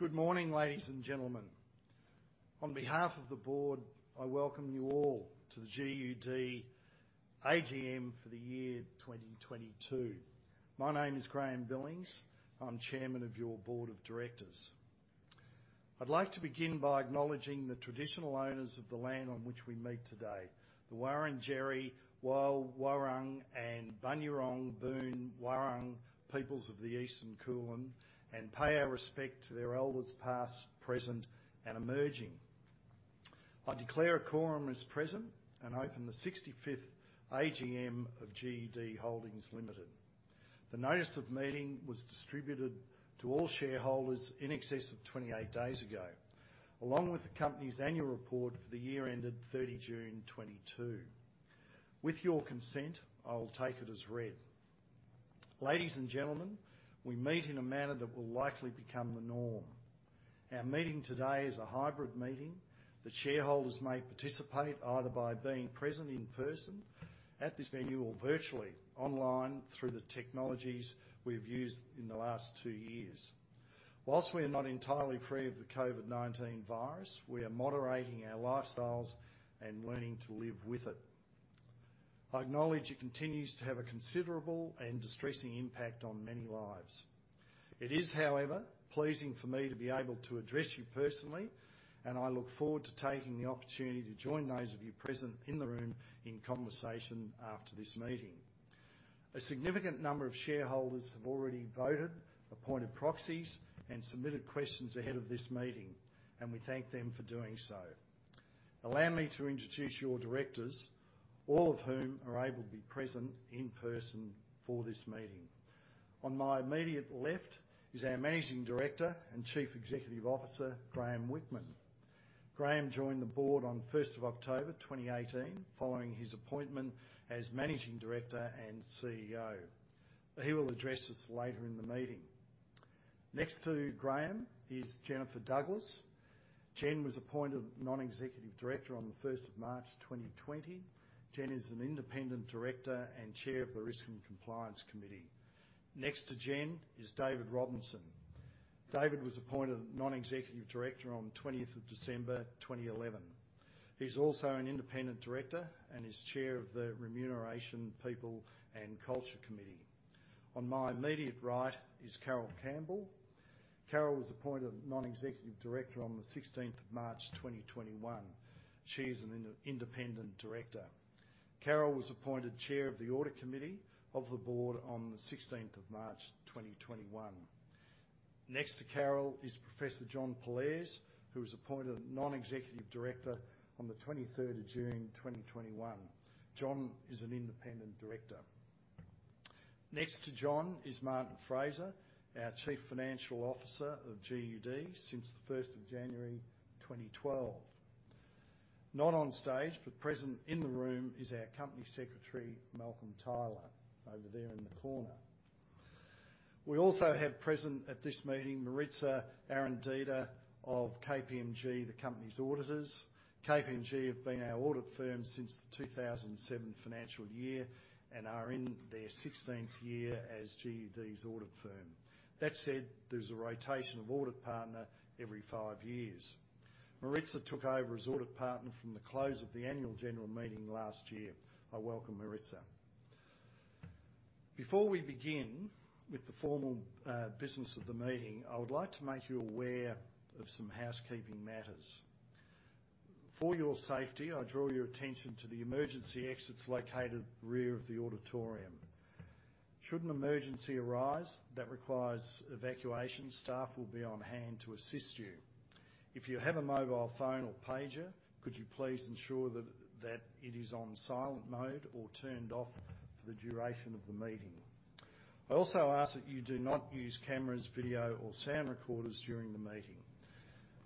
Good morning, ladies and gentlemen. On behalf of the board, I welcome you all to the GUD AGM for the year 2022. My name is Graeme Billings. I'm Chairman of your board of directors. I'd like to begin by acknowledging the traditional owners of the land on which we meet today, the Wurundjeri Woi Wurrung and Bunurong Boonwurrung peoples of the Eastern Kulin, and pay our respect to their elders past, present, and emerging. I declare a quorum is present and open the 65th AGM of GUD Holdings Limited. The notice of meeting was distributed to all shareholders in excess of 28 days ago, along with the company's annual report for the year ended 30 June 2022. With your consent, I'll take it as read. Ladies and gentlemen, we meet in a manner that will likely become the norm. Our meeting today is a hybrid meeting that shareholders may participate either by being present in person at this venue or virtually online through the technologies we've used in the last two years. While we are not entirely free of the COVID-19 virus, we are moderating our lifestyles and learning to live with it. I acknowledge it continues to have a considerable and distressing impact on many lives. It is, however, pleasing for me to be able to address you personally, and I look forward to taking the opportunity to join those of you present in the room in conversation after this meeting. A significant number of shareholders have already voted, appointed proxies, and submitted questions ahead of this meeting, and we thank them for doing so. Allow me to introduce your directors, all of whom are able to be present in person for this meeting. On my immediate left is our Managing Director and Chief Executive Officer, Graeme Whickman. Graeme joined the board on 1st of October 2018 following his appointment as Managing Director and CEO. He will address us later in the meeting. Next to Graeme is Jennifer Douglas. Jen was appointed Non-Executive Director on the first of March 2020. Jen is an independent director and Chair of the Risk and Compliance Committee. Next to Jen is David Robinson. David was appointed Non-Executive Director on 20th of December 2011. He's also an independent director and is Chair of the Remuneration, People, and Culture Committee. On my immediate right is Carole Campbell. Carole was appointed Non-Executive Director on the sixteenth of March 2021. She is an independent director. Carole was appointed Chair of the Audit Committee of the board on the 16th of March 2021. Next to Carole is Professor John Pollaers, who was appointed Non-Executive Director on the 23rd of June 2021. John is an independent director. Next to John is Martin Fraser, our Chief Financial Officer of GUD since the 1st of January 2012. Not on stage, but present in the room is our Company Secretary, Malcolm Tyler, over there in the corner. We also have present at this meeting Maritza Arandeta of KPMG, the company's auditors. KPMG have been our audit firm since the 2007 financial year and are in their 16th year as GUD's audit firm. That said, there's a rotation of audit partner every five years. Maritza took over as audit partner from the close of the annual general meeting last year. I welcome Maritza. Before we begin with the formal business of the meeting, I would like to make you aware of some housekeeping matters. For your safety, I draw your attention to the emergency exits located at the rear of the auditorium. Should an emergency arise that requires evacuation, staff will be on hand to assist you. If you have a mobile phone or pager, could you please ensure that it is on silent mode or turned off for the duration of the meeting. I also ask that you do not use cameras, video, or sound recorders during the meeting.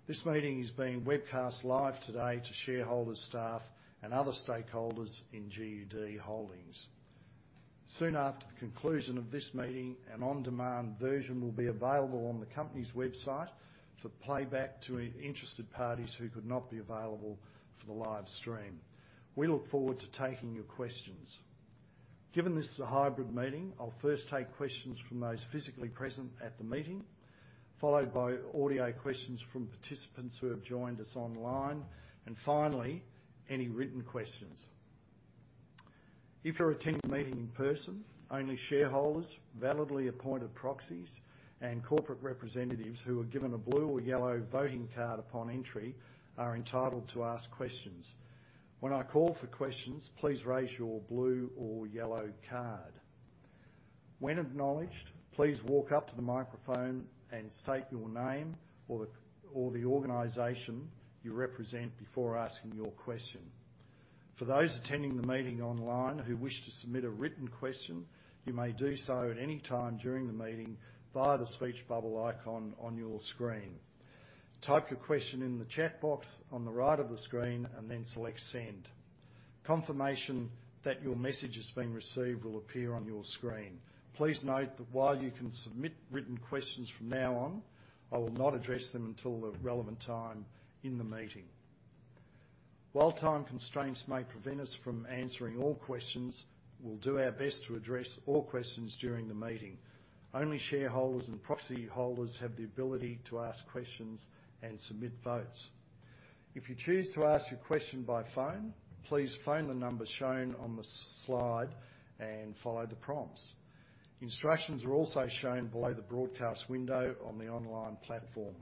This meeting is being webcast live today to shareholders, staff, and other stakeholders in GUD Holdings. Soon after the conclusion of this meeting, an on-demand version will be available on the company's website for playback to interested parties who could not be available for the live stream. We look forward to taking your questions. Given this is a hybrid meeting, I'll first take questions from those physically present at the meeting, followed by audio questions from participants who have joined us online, and finally, any written questions. If you're attending the meeting in person, only shareholders, validly appointed proxies, and corporate representatives who were given a blue or yellow voting card upon entry are entitled to ask questions. When I call for questions, please raise your blue or yellow card. When acknowledged, please walk up to the microphone and state your name or the organization you represent before asking your question. For those attending the meeting online who wish to submit a written question, you may do so at any time during the meeting via the speech bubble icon on your screen. Type your question in the chat box on the right of the screen and then select Send. Confirmation that your message has been received will appear on your screen. Please note that while you can submit written questions from now on, I will not address them until the relevant time in the meeting. While time constraints may prevent us from answering all questions, we'll do our best to address all questions during the meeting. Only shareholders and proxy holders have the ability to ask questions and submit votes. If you choose to ask your question by phone, please phone the number shown on the slide and follow the prompts. Instructions are also shown below the broadcast window on the online platform.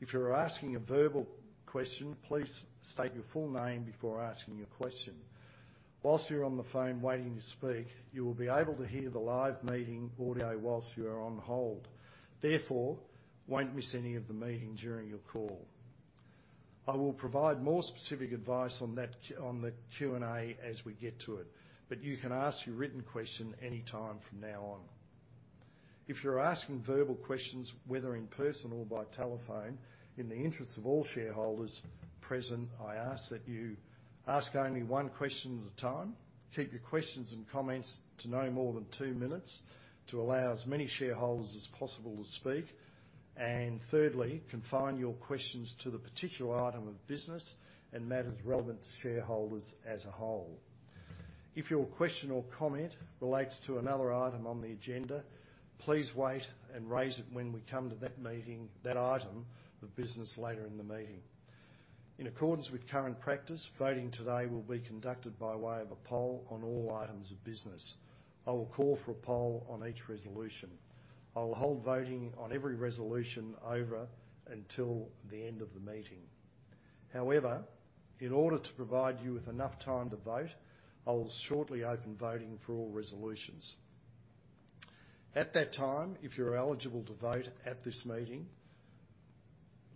If you're asking a verbal question, please state your full name before asking your question. While you're on the phone waiting to speak, you will be able to hear the live meeting audio while you are on hold, therefore, won't miss any of the meeting during your call. I will provide more specific advice on the Q&A as we get to it, but you can ask your written question any time from now on. If you're asking verbal questions, whether in person or by telephone, in the interest of all shareholders present, I ask that you ask only one question at a time, keep your questions and comments to no more than two minutes to allow as many shareholders as possible to speak, and thirdly, confine your questions to the particular item of business and matters relevant to shareholders as a whole. If your question or comment relates to another item on the agenda, please wait and raise it when we come to that item of business later in the meeting. In accordance with current practice, voting today will be conducted by way of a poll on all items of business. I will call for a poll on each resolution. I will hold voting on every resolution over until the end of the meeting. However, in order to provide you with enough time to vote, I will shortly open voting for all resolutions. At that time, if you're eligible to vote at this meeting,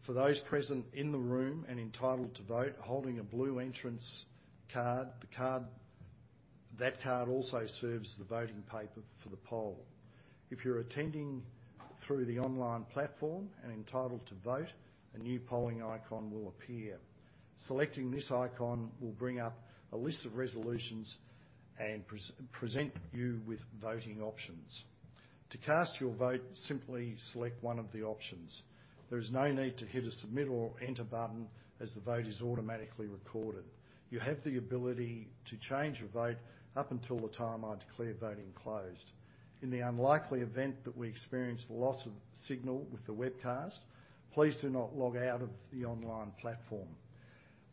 for those present in the room and entitled to vote, holding a blue entrance card, the card. That card also serves as the voting paper for the poll. If you're attending through the online platform and entitled to vote, a new polling icon will appear. Selecting this icon will bring up a list of resolutions and present you with voting options. To cast your vote, simply select one of the options. There's no need to hit a submit or enter button as the vote is automatically recorded. You have the ability to change your vote up until the time I declare voting closed. In the unlikely event that we experience loss of signal with the webcast, please do not log out of the online platform.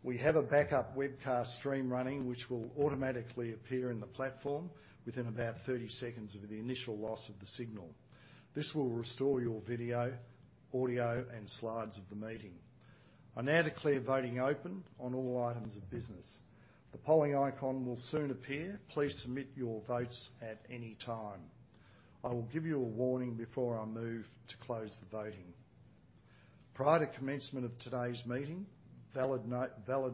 We have a backup webcast stream running, which will automatically appear in the platform within about 30 seconds of the initial loss of the signal. This will restore your video, audio, and slides of the meeting. I now declare voting open on all items of business. The polling icon will soon appear. Please submit your votes at any time. I will give you a warning before I move to close the voting. Prior to commencement of today's meeting, valid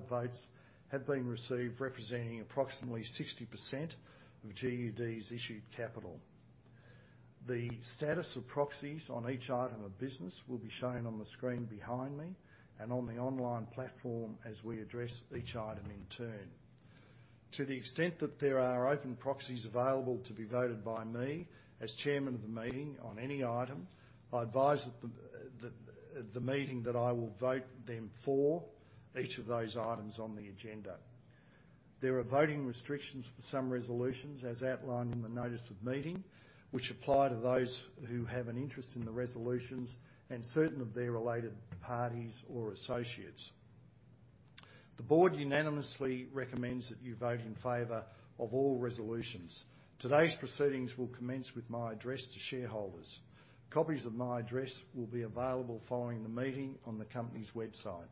votes have been received representing approximately 60% of GUD's issued capital. The status of proxies on each item of business will be shown on the screen behind me and on the online platform as we address each item in turn. To the extent that there are open proxies available to be voted by me as chairman of the meeting on any item, I advise the meeting that I will vote them for each of those items on the agenda. There are voting restrictions for some resolutions as outlined in the notice of meeting, which apply to those who have an interest in the resolutions and certain of their related parties or associates. The board unanimously recommends that you vote in favor of all resolutions. Today's proceedings will commence with my address to shareholders. Copies of my address will be available following the meeting on the company's website.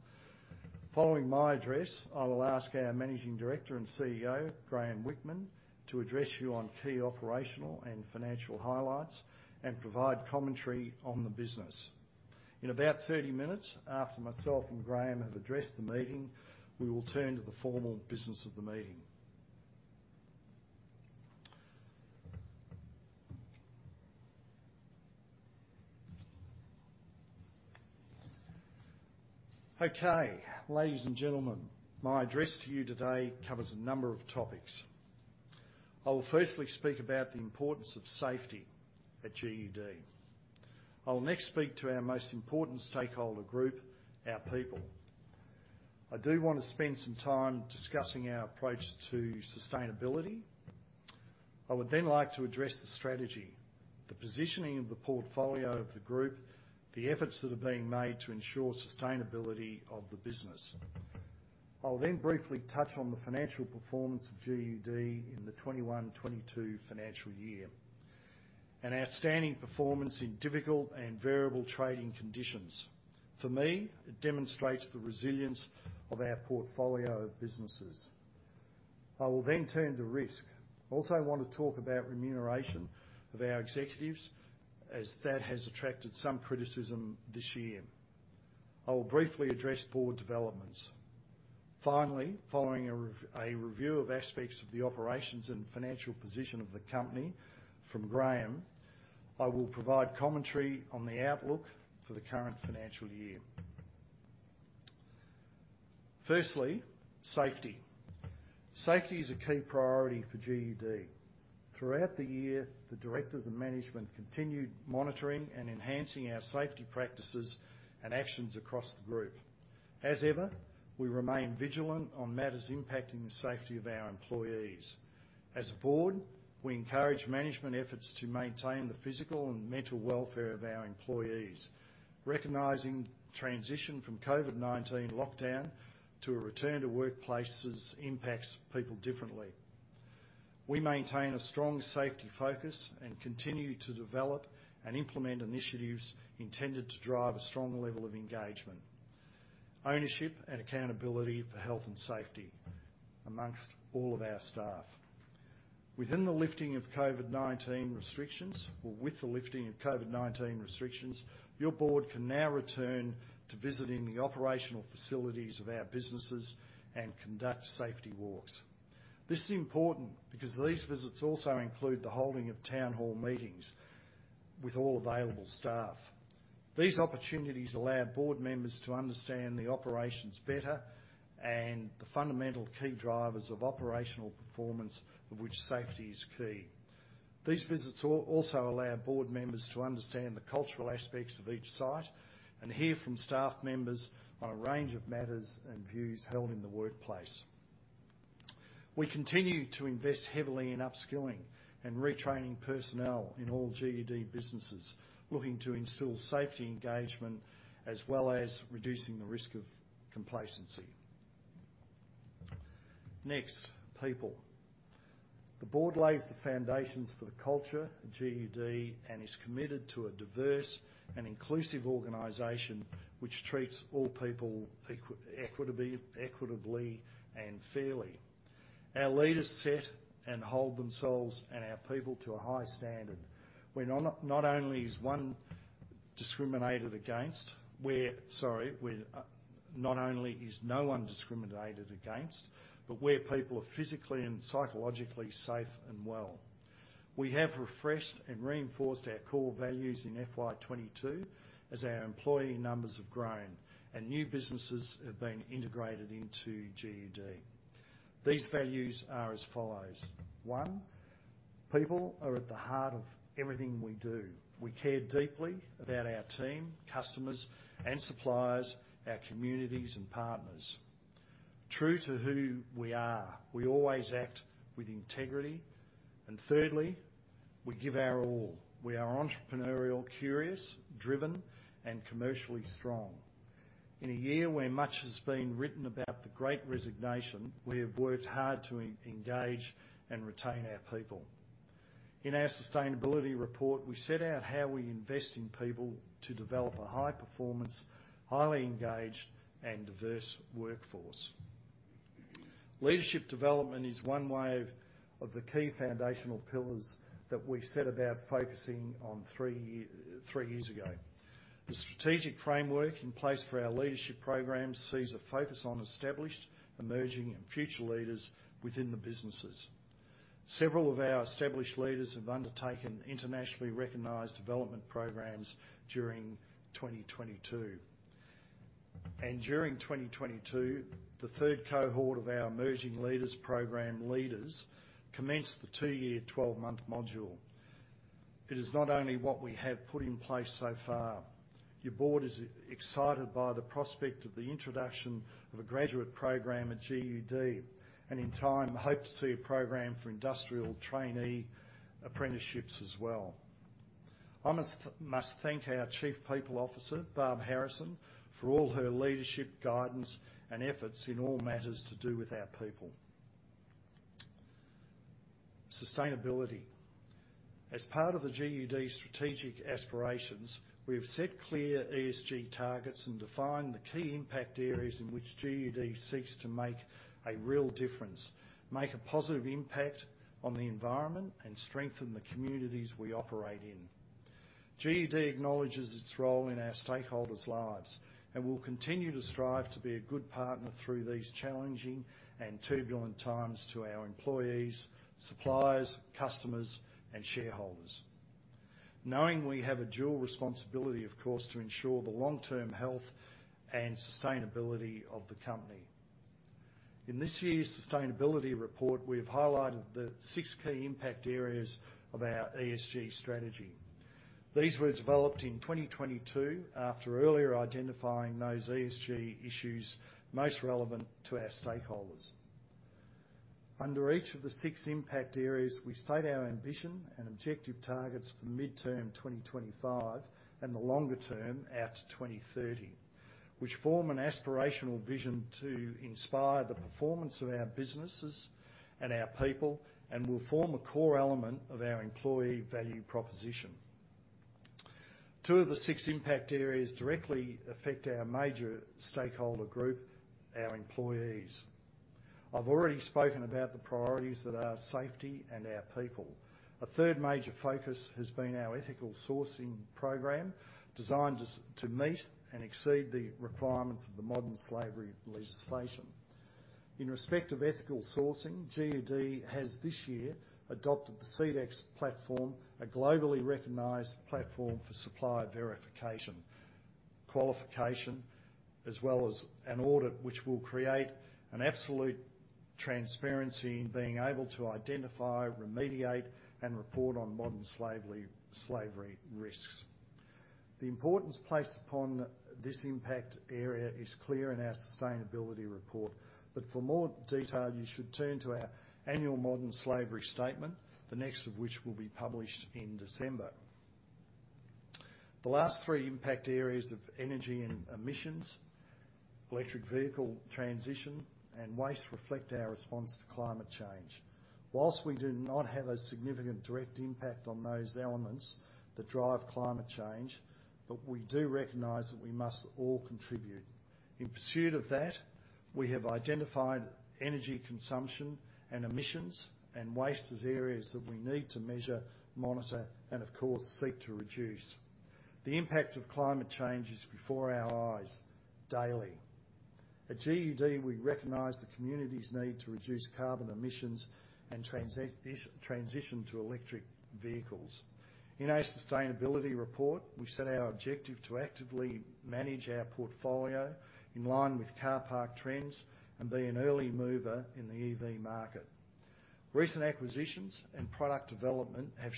Following my address, I will ask our Managing Director and CEO, Graeme Whickman, to address you on key operational and financial highlights and provide commentary on the business. In about 30 minutes after myself and Graeme have addressed the meeting, we will turn to the formal business of the meeting. Okay, ladies and gentlemen, my address to you today covers a number of topics. I will firstly speak about the importance of safety at GUD. I will next speak to our most important stakeholder group, our people. I do wanna spend some time discussing our approach to sustainability. I would then like to address the strategy, the positioning of the portfolio of the group, the efforts that are being made to ensure sustainability of the business. I'll then briefly touch on the financial performance of GUD in the 2021/2022 financial year, an outstanding performance in difficult and variable trading conditions. For me, it demonstrates the resilience of our portfolio of businesses. I will then turn to risk. I also want to talk about remuneration of our executives as that has attracted some criticism this year. I will briefly address board developments. Finally, following a review of aspects of the operations and financial position of the company from Graeme, I will provide commentary on the outlook for the current financial year. First, safety is a key priority for GUD. Throughout the year, the directors and management continued monitoring and enhancing our safety practices and actions across the group. As ever, we remain vigilant on matters impacting the safety of our employees. As a board, we encourage management efforts to maintain the physical and mental welfare of our employees, recognizing transition from COVID-19 lockdown to a return to workplaces impacts people differently. We maintain a strong safety focus and continue to develop and implement initiatives intended to drive a strong level of engagement, ownership, and accountability for health and safety among all of our staff. With the lifting of COVID-19 restrictions, your board can now return to visiting the operational facilities of our businesses and conduct safety walks. This is important because these visits also include the holding of town hall meetings with all available staff. These opportunities allow board members to understand the operations better and the fundamental key drivers of operational performance, of which safety is key. These visits also allow board members to understand the cultural aspects of each site and hear from staff members on a range of matters and views held in the workplace. We continue to invest heavily in upskilling and retraining personnel in all GUD businesses, looking to instill safety engagement as well as reducing the risk of complacency. Next, people. The board lays the foundations for the culture at GUD and is committed to a diverse and inclusive organization which treats all people equitably and fairly. Our leaders set and hold themselves and our people to a high standard, where not only is no one discriminated against, but where people are physically and psychologically safe and well. We have refreshed and reinforced our core values in FY 2022 as our employee numbers have grown and new businesses have been integrated into GUD. These values are as follows. One, people are at the heart of everything we do. We care deeply about our team, customers and suppliers, our communities and partners. Two to who we are, we always act with integrity. Thirdly, we give our all. We are entrepreneurial, curious, driven, and commercially strong. In a year where much has been written about the great resignation, we have worked hard to engage and retain our people. In our sustainability report, we set out how we invest in people to develop a high performance, highly engaged and diverse workforce. Leadership development is one way of the key foundational pillars that we set about focusing on three years ago. The strategic framework in place for our leadership program sees a focus on established, emerging and future leaders within the businesses. Several of our established leaders have undertaken internationally recognized development programs during 2022. During 2022, the third cohort of our Emerging Leaders program leaders commenced the two-year, 12-month module. It is not only what we have put in place so far, your board is excited by the prospect of the introduction of a graduate program at GUD, and in time hope to see a program for industrial trainee apprenticeships as well. I must thank our Chief People Officer, Barb Harrison, for all her leadership, guidance and efforts in all matters to do with our people. Sustainability. As part of the GUD's strategic aspirations, we have set clear ESG targets and defined the key impact areas in which GUD seeks to make a real difference, make a positive impact on the environment, and strengthen the communities we operate in. GUD acknowledges its role in our stakeholders' lives and will continue to strive to be a good partner through these challenging and turbulent times to our employees, suppliers, customers, and shareholders. Knowing we have a dual responsibility, of course, to ensure the long-term health and sustainability of the company. In this year's sustainability report, we have highlighted the six key impact areas of our ESG strategy. These were developed in 2022 after earlier identifying those ESG issues most relevant to our stakeholders. Under each of the six impact areas, we state our ambition and objective targets for midterm 2025 and the longer term out to 2030, which form an aspirational vision to inspire the performance of our businesses and our people and will form a core element of our employee value proposition. Two of the six impact areas directly affect our major stakeholder group, our employees. I've already spoken about the priorities that are safety and our people. A third major focus has been our ethical sourcing program, designed to meet and exceed the requirements of the modern slavery legislation. In respect of ethical sourcing, GUD has this year adopted the Sedex platform, a globally recognized platform for supplier verification, as well as an audit which will create an absolute transparency in being able to identify, remediate, and report on modern slavery risks. The importance placed upon this impact area is clear in our sustainability report. For more detail, you should turn to our annual Modern Slavery Statement, the next of which will be published in December. The last three impact areas of energy and emissions, electric vehicle transition, and waste reflect our response to climate change. While we do not have a significant direct impact on those elements that drive climate change, but we do recognize that we must all contribute. In pursuit of that, we have identified energy consumption and emissions and waste as areas that we need to measure, monitor, and of course, seek to reduce. The impact of climate change is before our eyes daily. At GUD, we recognize the community's need to reduce carbon emissions and transition to electric vehicles. In our sustainability report, we set our objective to actively manage our portfolio in line with car park trends and be an early mover in the EV market. Recent acquisitions and product development have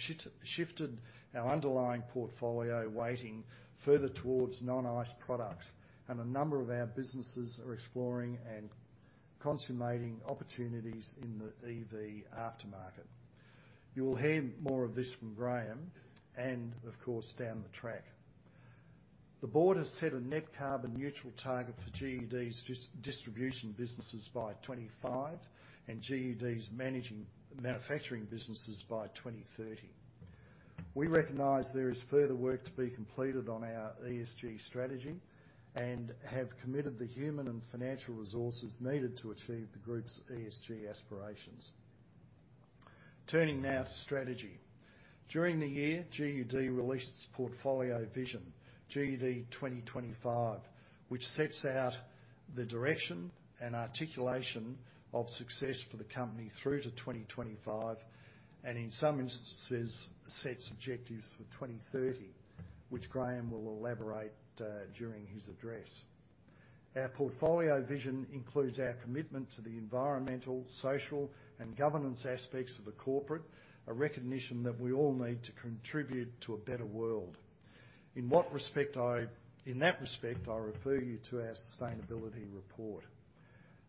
shifted our underlying portfolio weighting further towards non-ICE products, and a number of our businesses are exploring and consummating opportunities in the EV aftermarket. You will hear more of this from Graeme and of course, down the track. The board has set a net carbon neutral target for GUD's distribution businesses by 2025 and GUD's manufacturing businesses by 2030. We recognize there is further work to be completed on our ESG strategy and have committed the human and financial resources needed to achieve the group's ESG aspirations. Turning now to strategy. During the year, GUD released its portfolio vision, GUD 2025, which sets out the direction and articulation of success for the company through to 2025, and in some instances, sets objectives for 2030, which Graeme will elaborate during his address. Our portfolio vision includes our commitment to the environmental, social, and governance aspects of the corporate, a recognition that we all need to contribute to a better world. In that respect, I refer you to our sustainability report.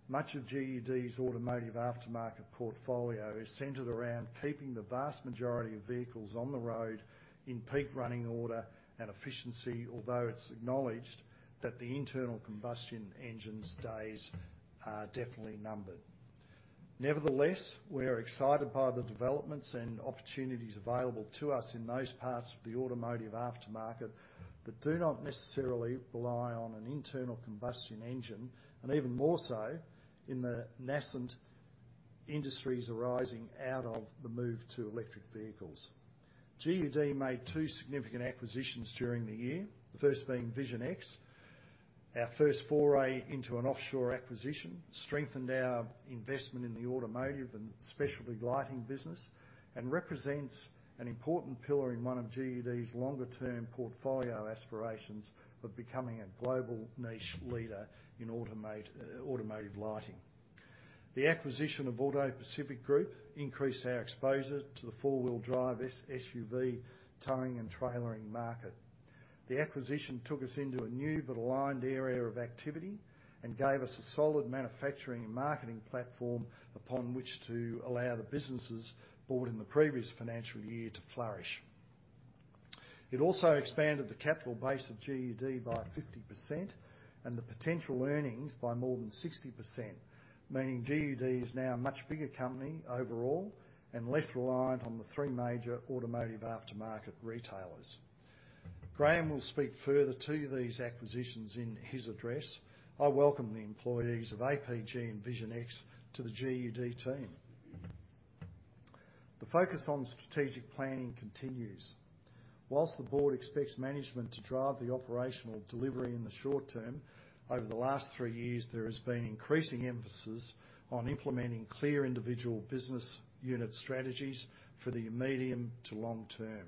Much of GUD's automotive aftermarket portfolio is centered around keeping the vast majority of vehicles on the road in peak running order and efficiency, although it's acknowledged that the internal combustion engine's days are definitely numbered. Nevertheless, we are excited by the developments and opportunities available to us in those parts of the automotive aftermarket that do not necessarily rely on an internal combustion engine, and even more so in the nascent industries arising out of the move to electric vehicles. GUD made two significant acquisitions during the year. The first being Vision X, our first foray into an offshore acquisition, strengthened our investment in the automotive and specialty lighting business and represents an important pillar in one of GUD's longer term portfolio aspirations of becoming a global niche leader in automotive lighting. The acquisition of AutoPacific Group increased our exposure to the four-wheel drive SUV towing and trailering market. The acquisition took us into a new but aligned area of activity and gave us a solid manufacturing and marketing platform upon which to allow the businesses bought in the previous financial year to flourish. It also expanded the capital base of GUD by 50% and the potential earnings by more than 60%, meaning GUD is now a much bigger company overall and less reliant on the three major automotive aftermarket retailers. Graeme will speak further to these acquisitions in his address. I welcome the employees of APG and Vision X to the GUD team. The focus on strategic planning continues. While the board expects management to drive the operational delivery in the short term, over the last three years, there has been increasing emphasis on implementing clear individual business unit strategies for the medium to long term.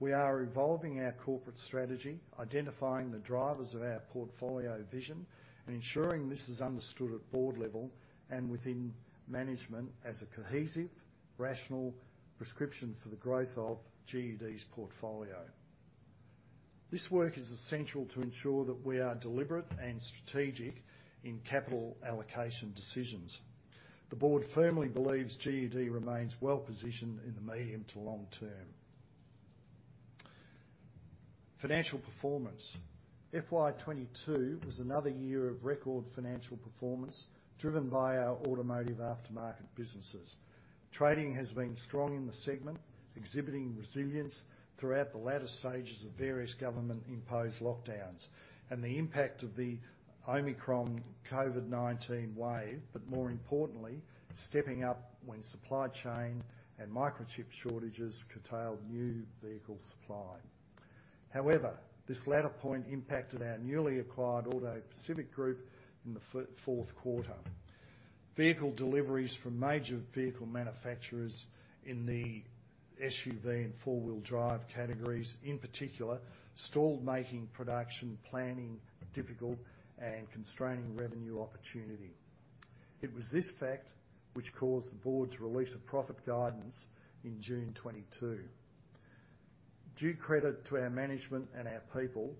We are evolving our corporate strategy, identifying the drivers of our portfolio vision, and ensuring this is understood at board level and within management as a cohesive, rational prescription for the growth of GUD's portfolio. This work is essential to ensure that we are deliberate and strategic in capital allocation decisions. The board firmly believes GUD remains well-positioned in the medium to long term. Financial performance. FY 2022 was another year of record financial performance driven by our automotive aftermarket businesses. Trading has been strong in the segment, exhibiting resilience throughout the latter stages of various government-imposed lockdowns and the impact of the Omicron COVID-19 wave, but more importantly, stepping up when supply chain and microchip shortages curtailed new vehicle supply. However, this latter point impacted our newly acquired AutoPacific Group in the fourth quarter. Vehicle deliveries from major vehicle manufacturers in the SUV and four-wheel drive categories, in particular, stalled making production planning difficult and constraining revenue opportunity. It was this fact which caused the board's release of profit guidance in June 2022. Due credit to our management and our people,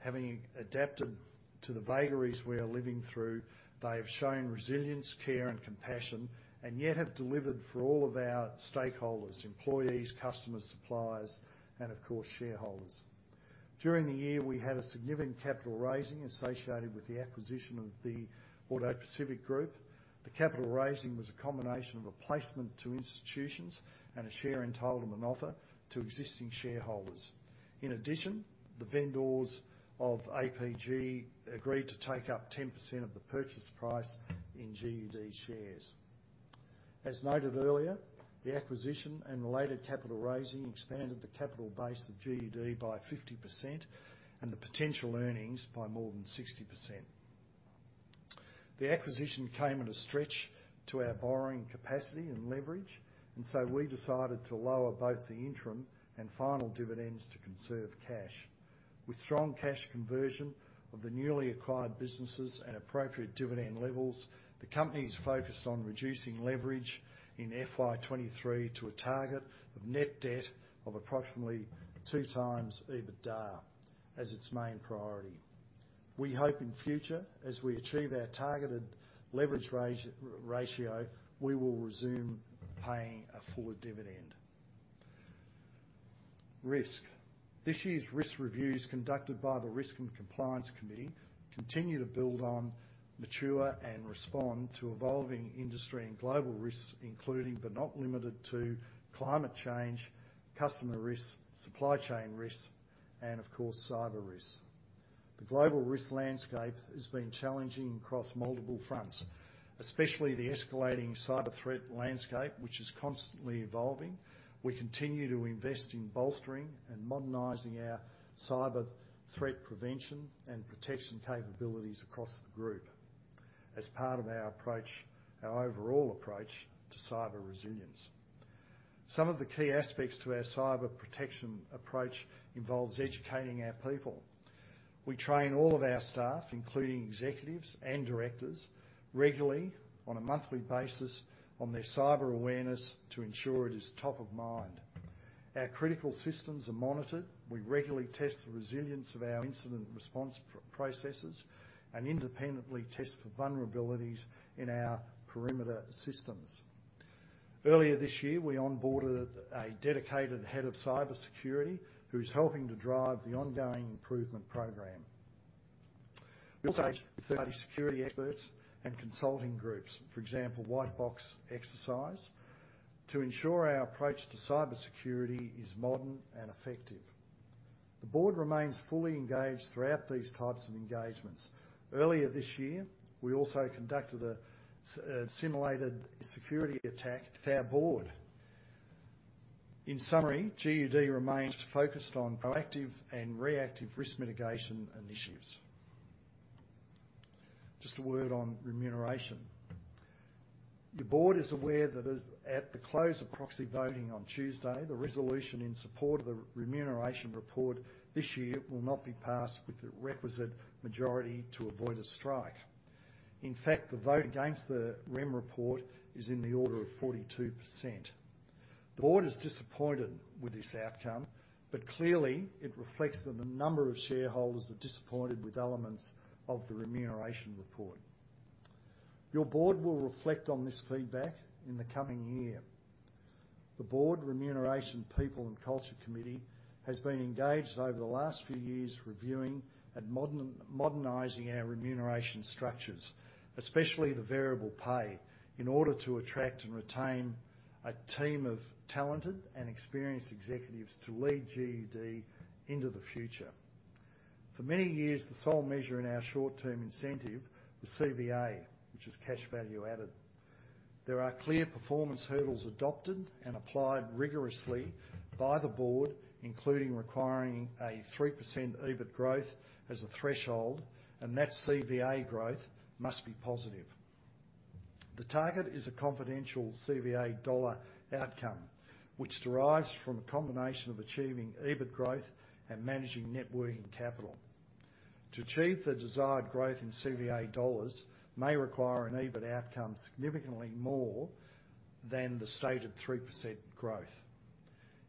having adapted to the vagaries we are living through, they have shown resilience, care, and compassion, and yet have delivered for all of our stakeholders, employees, customers, suppliers, and of course, shareholders. During the year, we had a significant capital raising associated with the acquisition of the AutoPacific Group. The capital raising was a combination of a placement to institutions and a share entitlement offer to existing shareholders. In addition, the vendors of APG agreed to take up 10% of the purchase price in GUD shares. As noted earlier, the acquisition and related capital raising expanded the capital base of GUD by 50% and the potential earnings by more than 60%. The acquisition came at a stretch to our borrowing capacity and leverage, so we decided to lower both the interim and final dividends to conserve cash. With strong cash conversion of the newly acquired businesses at appropriate dividend levels, the company is focused on reducing leverage in FY 2023 to a target of net debt of approximately 2x EBITDA as its main priority. We hope in future, as we achieve our targeted leverage ratio, we will resume paying a full dividend. Risk. This year's risk reviews conducted by the Risk and Compliance Committee continue to build on, mature, and respond to evolving industry and global risks, including, but not limited to climate change, customer risks, supply chain risks, and of course, cyber risks. The global risk landscape has been challenging across multiple fronts, especially the escalating cyber threat landscape, which is constantly evolving. We continue to invest in bolstering and modernizing our cyber threat prevention and protection capabilities across the group as part of our overall approach to cyber resilience. Some of the key aspects to our cyber protection approach involves educating our people. We train all of our staff, including executives and directors, regularly on a monthly basis on their cyber awareness to ensure it is top of mind. Our critical systems are monitored. We regularly test the resilience of our incident response processes and independently test for vulnerabilities in our perimeter systems. Earlier this year, we onboarded a dedicated head of cybersecurity who's helping to drive the ongoing improvement program. We also engage with third-party security experts and consulting groups, for example, White Box Exercise, to ensure our approach to cybersecurity is modern and effective. The board remains fully engaged throughout these types of engagements. Earlier this year, we also conducted a simulated security attack to our board. In summary, GUD remains focused on proactive and reactive risk mitigation initiatives. Just a word on remuneration. The board is aware that as at the close of proxy voting on Tuesday, the resolution in support of the Remuneration Report this year will not be passed with the requisite majority to avoid a strike. In fact, the vote against the Rem report is in the order of 42%. The board is disappointed with this outcome, but clearly it reflects that a number of shareholders are disappointed with elements of the Remuneration Report. Your board will reflect on this feedback in the coming year. The Board Remuneration, People and Culture Committee has been engaged over the last few years reviewing and modernizing our remuneration structures, especially the variable pay, in order to attract and retain a team of talented and experienced executives to lead GUD into the future. For many years, the sole measure in our short-term incentive was CVA, which is cash value added. There are clear performance hurdles adopted and applied rigorously by the board, including requiring a 3% EBIT growth as a threshold, and that CVA growth must be positive. The target is a confidential CVA dollar outcome, which derives from a combination of achieving EBIT growth and managing net working capital. To achieve the desired growth in CVA dollars may require an EBIT outcome significantly more than the stated 3% growth.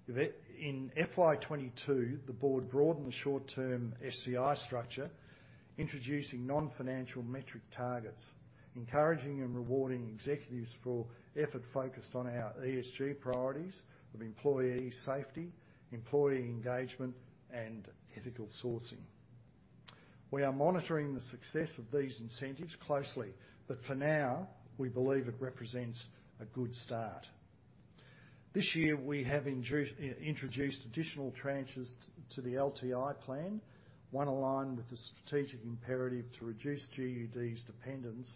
In FY 2022, the board broadened the short-term STI structure, introducing non-financial metric targets, encouraging and rewarding executives for effort focused on our ESG priorities of employee safety, employee engagement, and ethical sourcing. We are monitoring the success of these incentives closely, but for now, we believe it represents a good start. This year, we have introduced additional tranches to the LTI plan, one aligned with the strategic imperative to reduce GUD's dependence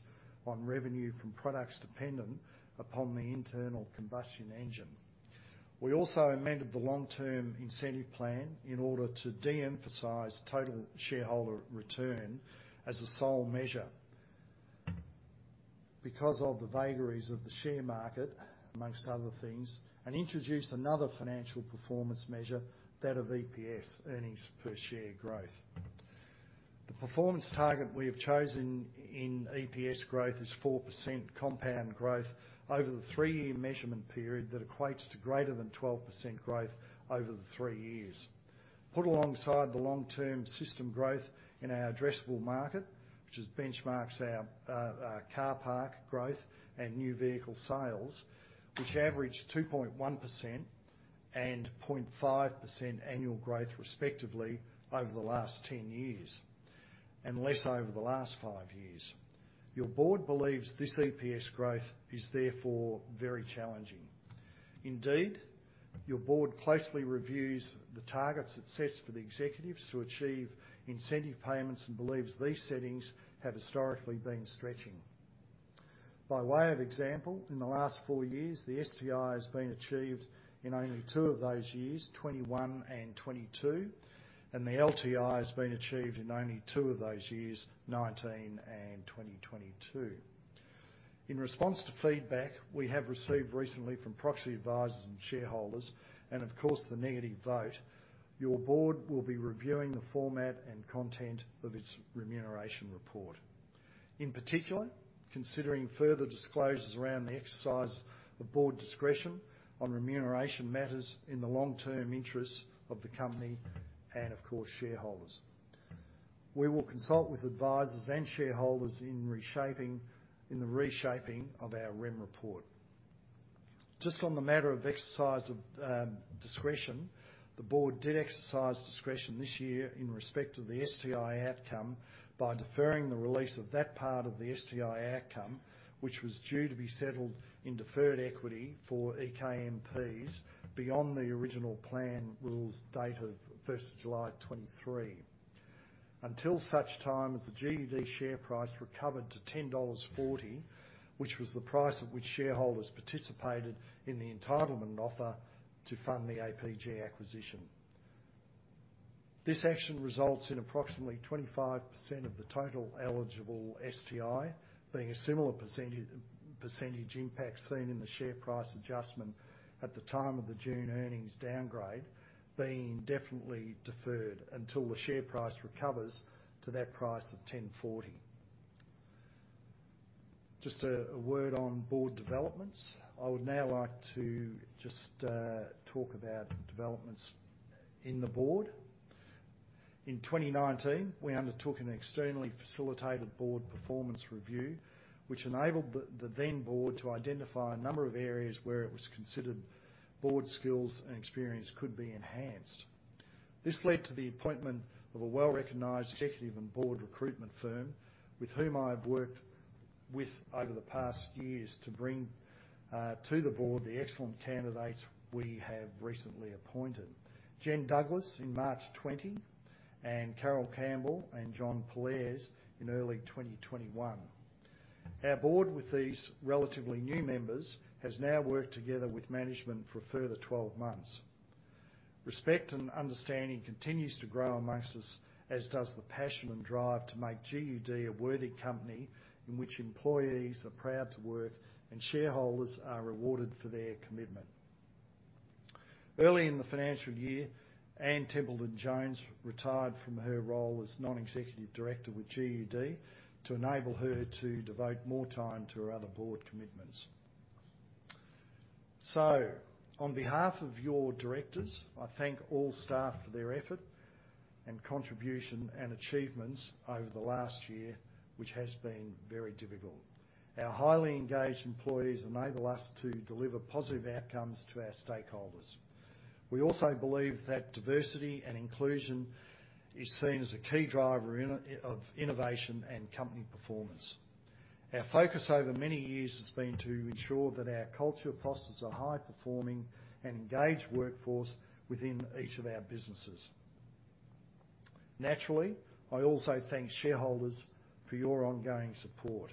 on revenue from products dependent upon the internal combustion engine. We also amended the long-term incentive plan in order to de-emphasize total shareholder return as a sole measure because of the vagaries of the share market, among other things, and introduced another financial performance measure, that of EPS, earnings per share growth. The performance target we have chosen in EPS growth is 4% compound growth over the three-year measurement period that equates to greater than 12% growth over the three years. Put alongside the long-term system growth in our addressable market, which has benchmarked our car park growth and new vehicle sales, which averaged 2.1% and 0.5% annual growth respectively over the last 10 years, and less over the last five years. Your board believes this EPS growth is therefore very challenging. Indeed, your board closely reviews the targets it sets for the executives to achieve incentive payments, and believes these settings have historically been stretching. By way of example, in the last four years, the STI has been achieved in only two of those years, 2021 and 2022, and the LTI has been achieved in only two of those years, 2019 and 2022. In response to feedback we have received recently from proxy advisors and shareholders, and of course the negative vote, your board will be reviewing the format and content of its remuneration report. In particular, considering further disclosures around the exercise of board discretion on remuneration matters in the long-term interests of the company and of course shareholders. We will consult with advisors and shareholders in the reshaping of our rem report. Just on the matter of exercise of discretion, the board did exercise discretion this year in respect of the STI outcome by deferring the release of that part of the STI outcome, which was due to be settled in deferred equity for KMPs beyond the original plan rules date of 1st July 2023. Until such time as the GUD share price recovered to 10.40 dollars, which was the price at which shareholders participated in the entitlement offer to fund the APG acquisition. This action results in approximately 25% of the total eligible STI, being a similar percentage impact seen in the share price adjustment at the time of the June earnings downgrade, being indefinitely deferred until the share price recovers to that price of 10.40. Just a word on board developments. I would now like to just talk about developments in the board. In 2019, we undertook an externally facilitated board performance review, which enabled the then board to identify a number of areas where it was considered board skills and experience could be enhanced. This led to the appointment of a well-recognized executive and board recruitment firm with whom I have worked with over the past years to bring to the board the excellent candidates we have recently appointed. Jennifer Douglas in March 2020, and Carole Campbell and John Pollaers in early 2021. Our board with these relatively new members has now worked together with management for a further 12 months. Respect and understanding continues to grow among us, as does the passion and drive to make GUD a worthy company in which employees are proud to work and shareholders are rewarded for their commitment. Early in the financial year, Anne Templeman-Jones retired from her role as non-executive director with GUD to enable her to devote more time to her other board commitments. On behalf of your directors, I thank all staff for their effort and contribution and achievements over the last year, which has been very difficult. Our highly engaged employees enable us to deliver positive outcomes to our stakeholders. We also believe that diversity and inclusion is seen as a key driver of innovation and company performance. Our focus over many years has been to ensure that our culture fosters a high-performing and engaged workforce within each of our businesses. Naturally, I also thank shareholders for your ongoing support.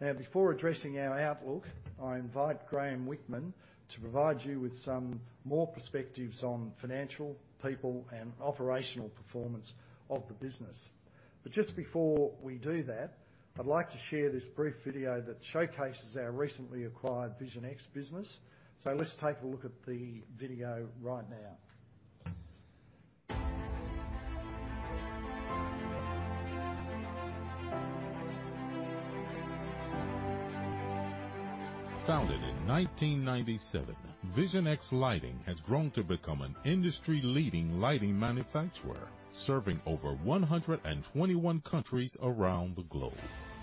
Now before addressing our outlook, I invite Graeme Whickman to provide you with some more perspectives on financial, people, and operational performance of the business. Just before we do that, I'd like to share this brief video that showcases our recently acquired Vision X business. Let's take a look at the video right now. Founded in 1997, Vision X Lighting has grown to become an industry-leading lighting manufacturer, serving over 121 countries around the globe.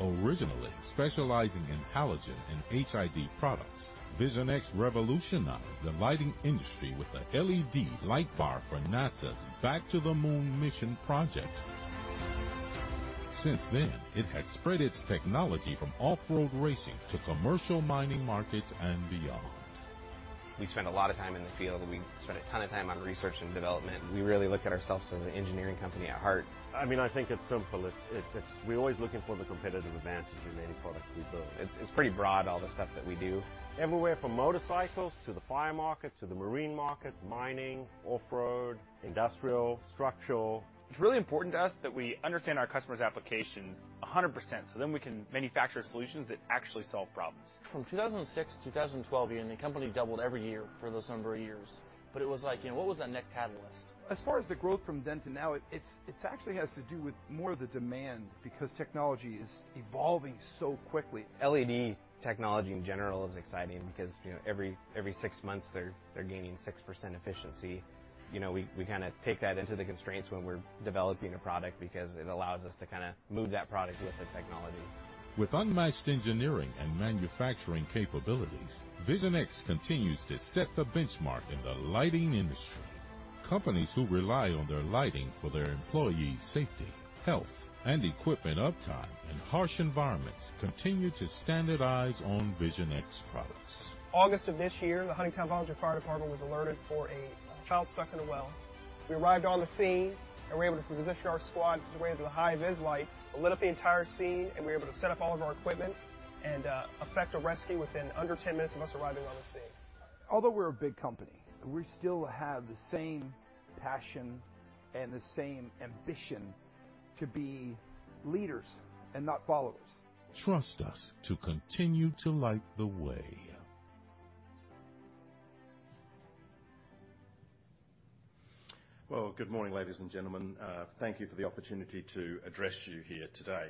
Originally specializing in halogen and HID products, Vision X revolutionized the lighting industry with an LED light bar for NASA's Back to the Moon mission project. Since then, it has spread its technology from off-road racing to commercial mining markets and beyond. We spend a lot of time in the field. We spend a ton of time on research and development. We really look at ourselves as an engineering company at heart. I mean, I think it's simple. We're always looking for the competitive advantage in any product we build. It's pretty broad, all the stuff that we do. Everywhere from motorcycles to the fire market to the marine market, mining, off-road, industrial, structural. It's really important to us that we understand our customers' applications 100%, so then we can manufacture solutions that actually solve problems. From 2006-2012, Ian, the company doubled every year for those number of years. It was like, you know, what was that next catalyst? As far as the growth from then to now, it's actually has to do with more of the demand because technology is evolving so quickly. LED technology in general is exciting because, you know, every six months they're gaining 6% efficiency. You know, we kinda take that into the constraints when we're developing a product because it allows us to kinda move that product with the technology. With unmatched engineering and manufacturing capabilities, Vision X continues to set the benchmark in the lighting industry. Companies who rely on their lighting for their employees' safety, health, and equipment uptime in harsh environments continue to standardize on Vision X products. August of this year, the Huntingtown Volunteer Fire Department was alerted for a child stuck in a well. We arrived on the scene, and we were able to position our squads with the high-vis lights. It lit up the entire scene, and we were able to set up all of our equipment and effect a rescue within under 10 minutes of us arriving on the scene. Although we're a big company, we still have the same passion and the same ambition to be leaders and not followers. Trust us to continue to light the way. Well, good morning, ladies and gentlemen. Thank you for the opportunity to address you here today.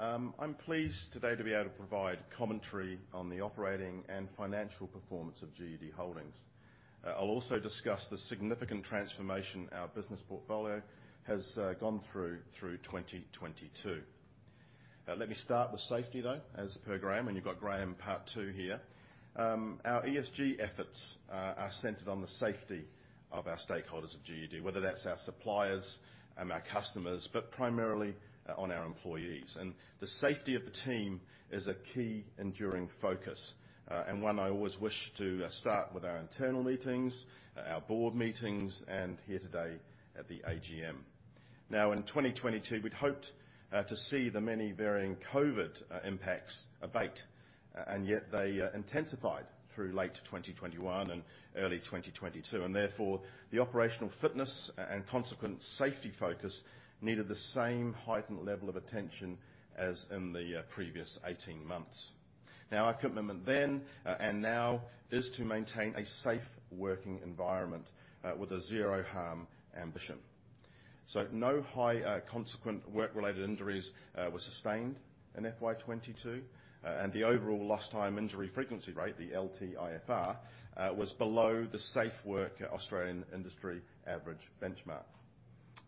I'm pleased today to be able to provide commentary on the operating and financial performance of GUD Holdings. I'll also discuss the significant transformation our business portfolio has gone through 2022. Let me start with safety though, as per Graeme, and you've got Graeme part two here. Our ESG efforts are centered on the safety of our stakeholders at GUD, whether that's our suppliers and our customers, but primarily on our employees. The safety of the team is a key enduring focus, and one I always wish to start with our internal meetings, our board meetings, and here today at the AGM. Now, in 2022, we'd hoped to see the many varying COVID impacts abate, and yet they intensified through late 2021 and early 2022. Therefore, the operational fitness and consequent safety focus needed the same heightened level of attention as in the previous eighteen months. Our commitment then and now is to maintain a safe working environment with a zero-harm ambition. No high consequent work-related injuries were sustained in FY 2022. The overall lost time injury frequency rate, the LTIFR, was below the Safe Work Australia industry average benchmark.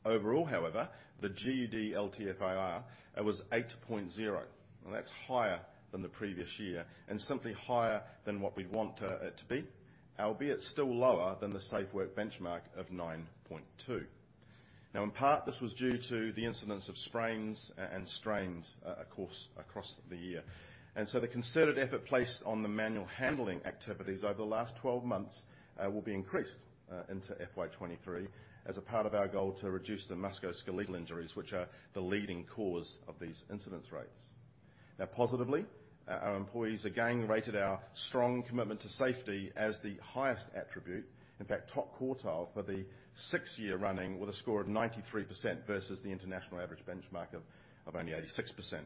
Overall, however, the GUD LTIFR was 8.0, and that's higher than the previous year and simply higher than what we'd want it to be. Albeit still lower than the Safe Work Australia benchmark of 9.2. Now, in part, this was due to the incidence of sprains and strains across the year. The concerted effort placed on the manual handling activities over the last 12 months will be increased into FY 2023 as a part of our goal to reduce the musculoskeletal injuries, which are the leading cause of these incidence rates. Now positively, our employees again rated our strong commitment to safety as the highest attribute, in fact, top quartile for the sixth year running with a score of 93% versus the international average benchmark of only 86%.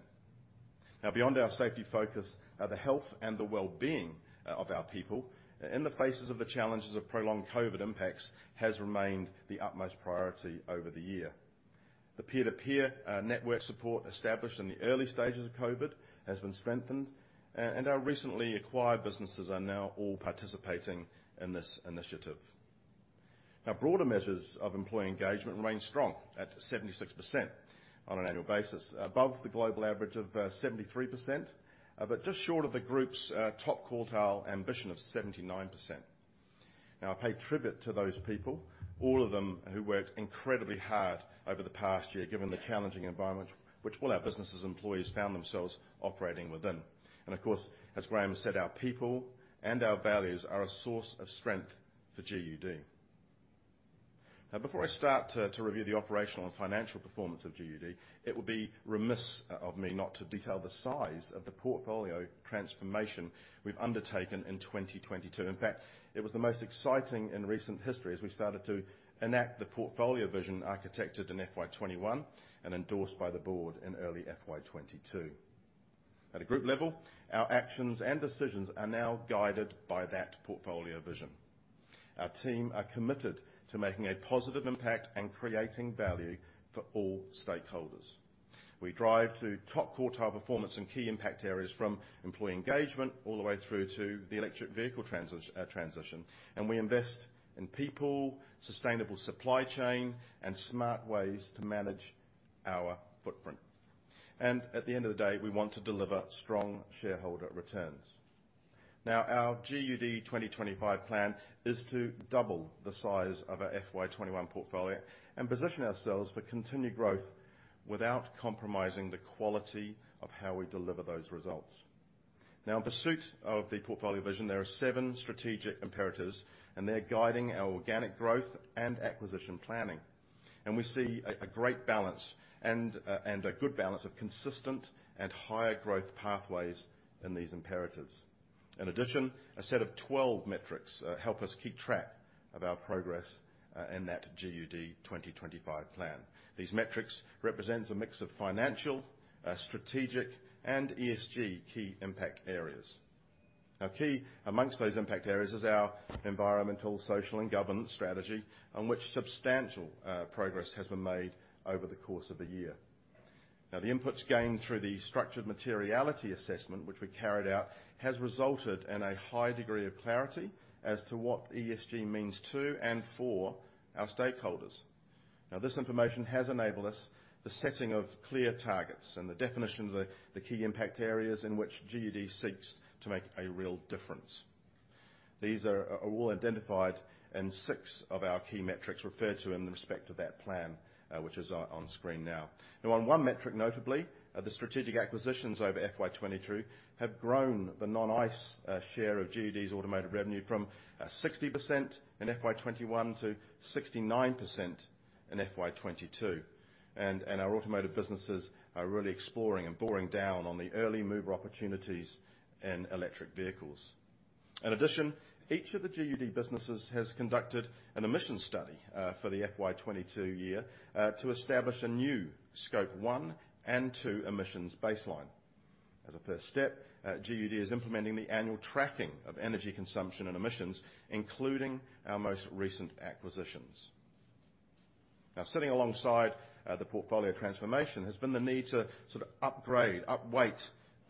Now beyond our safety focus, the health and the well-being of our people in the faces of the challenges of prolonged COVID impacts has remained the utmost priority over the year. The peer-to-peer network support established in the early stages of COVID has been strengthened, and our recently acquired businesses are now all participating in this initiative. Broader measures of employee engagement remain strong at 76% on an annual basis above the global average of 73%, but just short of the group's top quartile ambition of 79%. I pay tribute to those people, all of them who worked incredibly hard over the past year, given the challenging environment which all our businesses employees found themselves operating within. Of course, as Graeme said, our people and our values are a source of strength for GUD. Before I start to review the operational and financial performance of GUD, it would be remiss of me not to detail the size of the portfolio transformation we've undertaken in 2022. In fact, it was the most exciting in recent history as we started to enact the portfolio vision architected in FY 2021 and endorsed by the board in early FY 2022. At a group level, our actions and decisions are now guided by that portfolio vision. Our team are committed to making a positive impact and creating value for all stakeholders. We drive to top quartile performance in key impact areas from employee engagement all the way through to the electric vehicle transition, and we invest in people, sustainable supply chain, and smart ways to manage our footprint. At the end of the day, we want to deliver strong shareholder returns. Now our GUD 2025 plan is to double the size of our FY 2021 portfolio and position ourselves for continued growth without compromising the quality of how we deliver those results. Now, in pursuit of the portfolio vision, there are seven strategic imperatives, and they're guiding our organic growth and acquisition planning. We see a great balance and a good balance of consistent and higher growth pathways in these imperatives. In addition, a set of 12 metrics help us keep track of our progress in that GUD 2025 plan. These metrics represents a mix of financial, strategic, and ESG key impact areas. Now, key amongst those impact areas is our environmental, social, and governance strategy, on which substantial progress has been made over the course of the year. Now the inputs gained through the structured materiality assessment which we carried out, has resulted in a high degree of clarity as to what ESG means to and for our stakeholders. Now this information has enabled us the setting of clear targets and the definition of the key impact areas in which GUD seeks to make a real difference. These are all identified in six of our key metrics referred to in respect to that plan, which is on screen now. Now on one metric notably, the strategic acquisitions over FY 2022 have grown the non-ICE share of GUD's automotive revenue from 60% in FY 2021 to 69% in FY 2022. Our automotive businesses are really exploring and drilling down on the early mover opportunities in electric vehicles. In addition, each of the GUD businesses has conducted an emission study for the FY 2022 year to establish a new scope one and two emissions baseline. As a first step, GUD is implementing the annual tracking of energy consumption and emissions, including our most recent acquisitions. Now, sitting alongside, the portfolio transformation has been the need to sort of upgrade, upweight,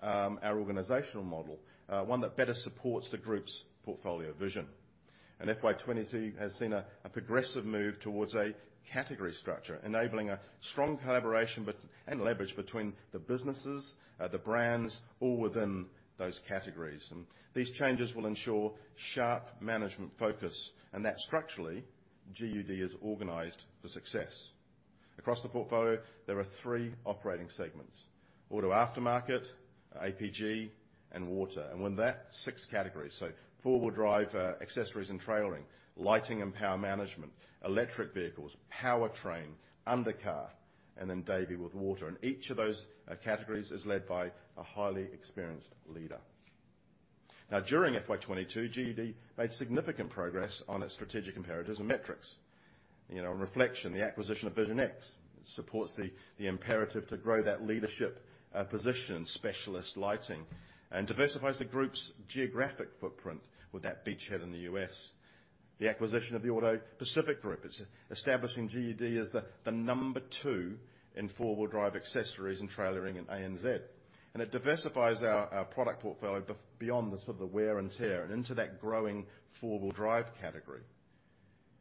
our organizational model, one that better supports the group's portfolio vision. FY 2022 has seen a progressive move towards a category structure, enabling a strong collaboration but and leverage between the businesses, the brands, all within those categories. These changes will ensure sharp management focus, and that structurally GUD is organized for success. Across the portfolio, there are three operating segments, Auto Aftermarket, APG, and Water. Within that six categories, so Four-Wheel Drive Accessories and Trailering, Lighting and Power Management, Electric Vehicles, Powertrain, Undercar, and then Davey with Water. Each of those categories is led by a highly experienced leader. Now during FY 2022, GUD made significant progress on its strategic imperatives and metrics. You know, in reflection, the acquisition of Vision X supports the imperative to grow that leadership position in specialist lighting, and diversifies the group's geographic footprint with that beachhead in the U.S.. The acquisition of the AutoPacific Group is establishing GUD as the number two in four-wheel drive accessories and trailering in ANZ. It diversifies our product portfolio beyond the sort of wear and tear and into that growing four-wheel drive category.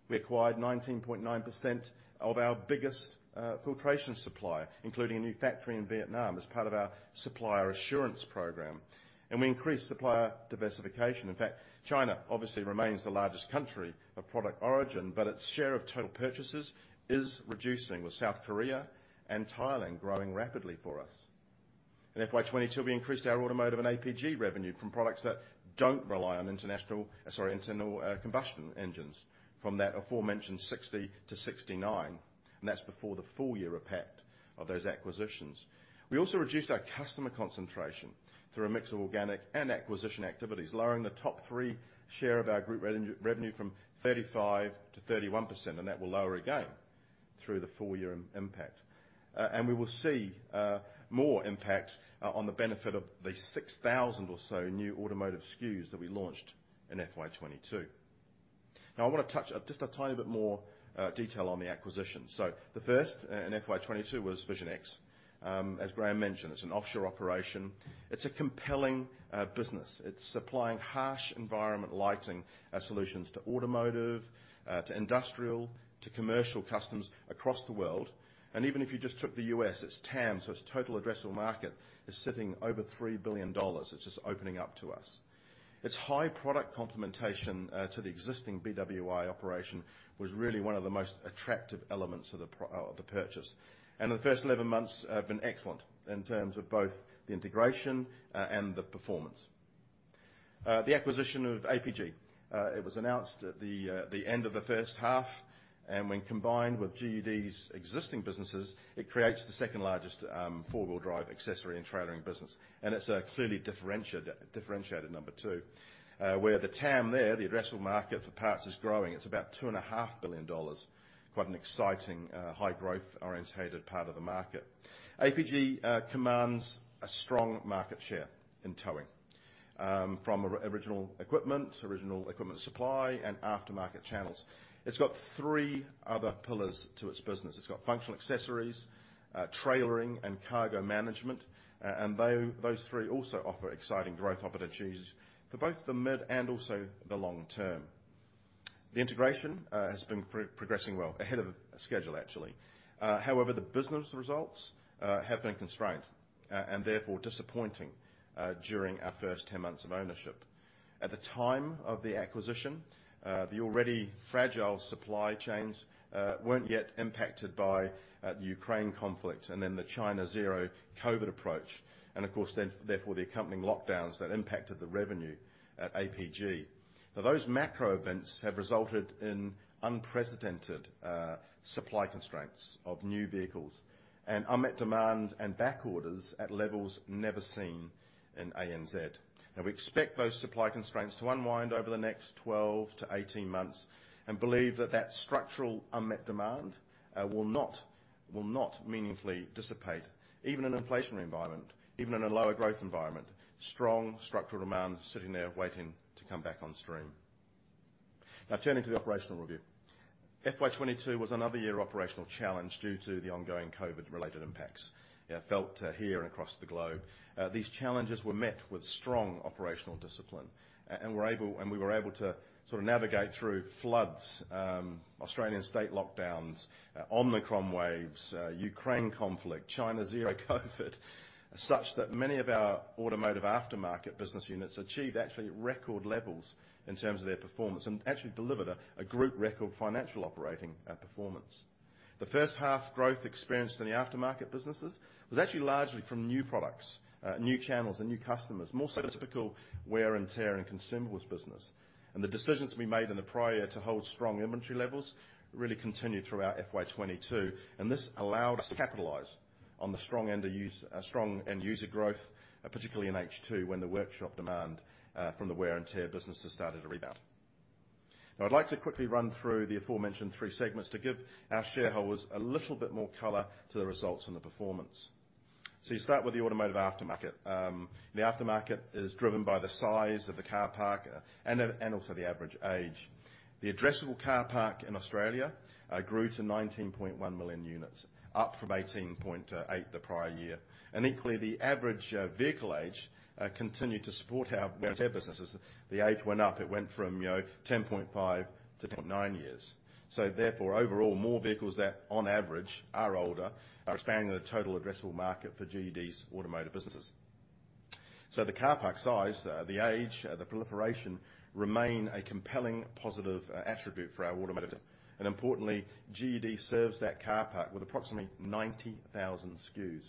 We acquired 19.9% of our biggest filtration supplier, including a new factory in Vietnam as part of our supplier assurance program. We increased supplier diversification. In fact, China obviously remains the largest country of product origin, but its share of total purchases is reducing, with South Korea and Thailand growing rapidly for us. In FY 2022, we increased our automotive and APG revenue from products that don't rely on internal combustion engines from that aforementioned 60%-69%, and that's before the full year impact of those acquisitions. We also reduced our customer concentration through a mix of organic and acquisition activities, lowering the top three share of our group revenue from 35%-31%, and that will lower again through the full year impact. We will see more impact on the benefit of the 6,000 or so new automotive SKUs that we launched in FY 22. Now I wanna touch just a tiny bit more detail on the acquisition. The first in FY 2022 was Vision X. As Graeme mentioned, it's an offshore operation. It's a compelling business. It's supplying harsh environment lighting solutions to automotive, to industrial, to commercial customers across the world. Even if you just took the U.S., its TAM, so its total addressable market, is sitting over 3 billion dollars. It's just opening up to us. Its high product complementation to the existing BWI operation was really one of the most attractive elements of the purchase. The first 11 months have been excellent in terms of both the integration and the performance. The acquisition of APG it was announced at the end of the first half, and when combined with GUD's existing businesses, it creates the second-largest four-wheel drive accessory and trailering business. It's a clearly differentiated number two. The TAM there, the addressable market for parts, is growing. It's about 2.5 billion dollars. Quite an exciting, high growth oriented part of the market. APG commands a strong market share in towing, from original equipment supply, and aftermarket channels. It's got three other pillars to its business. It's got functional accessories, trailering, and cargo management, and those three also offer exciting growth opportunities for both the mid and also the long term. The integration has been progressing well, ahead of schedule actually. However, the business results have been constrained and therefore disappointing during our first 10 months of ownership. At the time of the acquisition, the already fragile supply chains weren't yet impacted by the Ukraine conflict and then the China zero-COVID approach, and of course, then therefore the accompanying lockdowns that impacted the revenue at APG. Now, those macro events have resulted in unprecedented supply constraints of new vehicles and unmet demand and back orders at levels never seen in ANZ. Now we expect those supply constraints to unwind over the next 12-18 months and believe that that structural unmet demand will not meaningfully dissipate even in an inflationary environment, even in a lower growth environment. Strong structural demand sitting there waiting to come back on stream. Now turning to the operational review. FY 2022 was another year of operational challenge due to the ongoing COVID-19-related impacts felt here and across the globe. These challenges were met with strong operational discipline, and we're able... We were able to sort of navigate through floods, Australian state lockdowns, Omicron waves, Ukraine conflict, China zero-COVID, such that many of our automotive aftermarket business units achieved actually record levels in terms of their performance and actually delivered a group record financial operating performance. The first half growth experienced in the aftermarket businesses was actually largely from new products, new channels and new customers, more so than typical wear and tear in consumables business. The decisions we made in the prior year to hold strong inventory levels really continued throughout FY 2022, and this allowed us to capitalize on the strong end user growth, particularly in H2, when the workshop demand from the wear-and-tear businesses started to rebound. Now I'd like to quickly run through the aforementioned three segments to give our shareholders a little bit more color to the results and the performance. You start with the automotive aftermarket. The aftermarket is driven by the size of the car park, and also the average age. The addressable car park in Australia grew to 19.1 million units, up from 18.8 the prior year. Equally, the average vehicle age continued to support our wear-and-tear businesses. The age went up. It went from, you know, 10.5-9 years. Therefore overall, more vehicles that on average are older are expanding the total addressable market for GUD's automotive businesses. The car park size, the age, the proliferation remain a compelling positive attribute for our automotive. Importantly, GUD serves that car park with approximately 90,000 SKUs,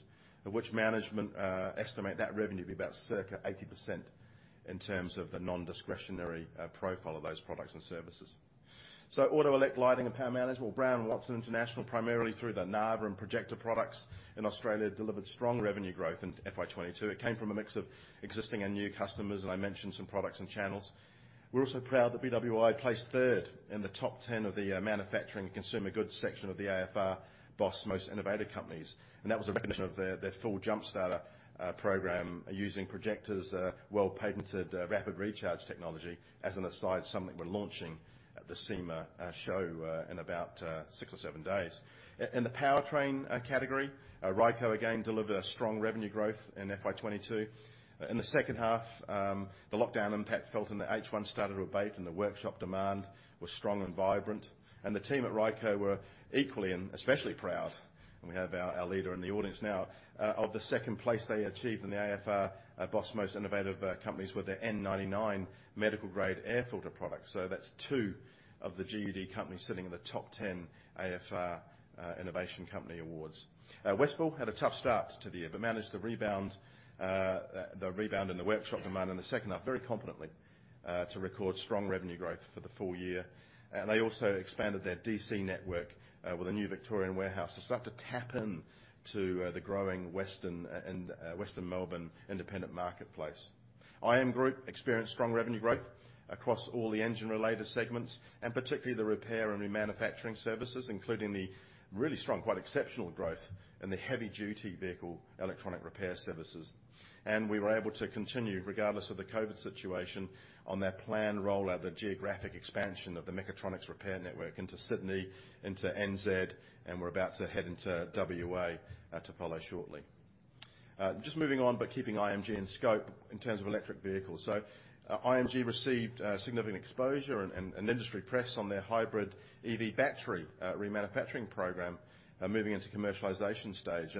of which management estimate that revenue to be about circa 80% in terms of the nondiscretionary profile of those products and services. Automotive Electrical Lighting and Power Management, or Brown & Watson International, primarily through the Narva and Projecta products in Australia, delivered strong revenue growth in FY 2022. It came from a mix of existing and new customers, and I mentioned some products and channels. We're also proud that BWI placed third in the top 10 of the manufacturing consumer goods section of the AFR BOSS Most Innovative Companies, and that was a recognition of their full jump starter program using Projecta’s world patented rapid recharge technology. As an aside, something we're launching at the SEMA Show in about six or seven days. In the powertrain category, Ryco again delivered a strong revenue growth in FY 2022. In the second half, the lockdown impact felt in the H1 started to abate, and the workshop demand was strong and vibrant. The team at Ryco were equally and especially proud, and we have our leader in the audience now of the second place they achieved in the AFR BOSS Most Innovative Companies with their N99 MicroShield medical-grade air filter product. That's two of the GUD companies sitting in the top 10 AFR BOSS Innovation Company Awards. Wesfil had a tough start to the year, but managed to rebound the rebound in the workshop demand in the second half very confidently to record strong revenue growth for the full year. They also expanded their DC network with a new Victorian warehouse to tap into the growing western Melbourne independent marketplace. IM Group experienced strong revenue growth across all the engine-related segments, and particularly the repair and remanufacturing services, including the really strong, quite exceptional growth in the heavy duty vehicle electronic repair services. We were able to continue, regardless of the COVID situation, on their planned rollout, the geographic expansion of the mechatronics repair network into Sydney, into NZ, and we're about to head into WA to follow shortly. Just moving on, but keeping IM Group in scope in terms of electric vehicles. IM Group received significant exposure and industry press on their hybrid EV battery remanufacturing program moving into commercialization stage.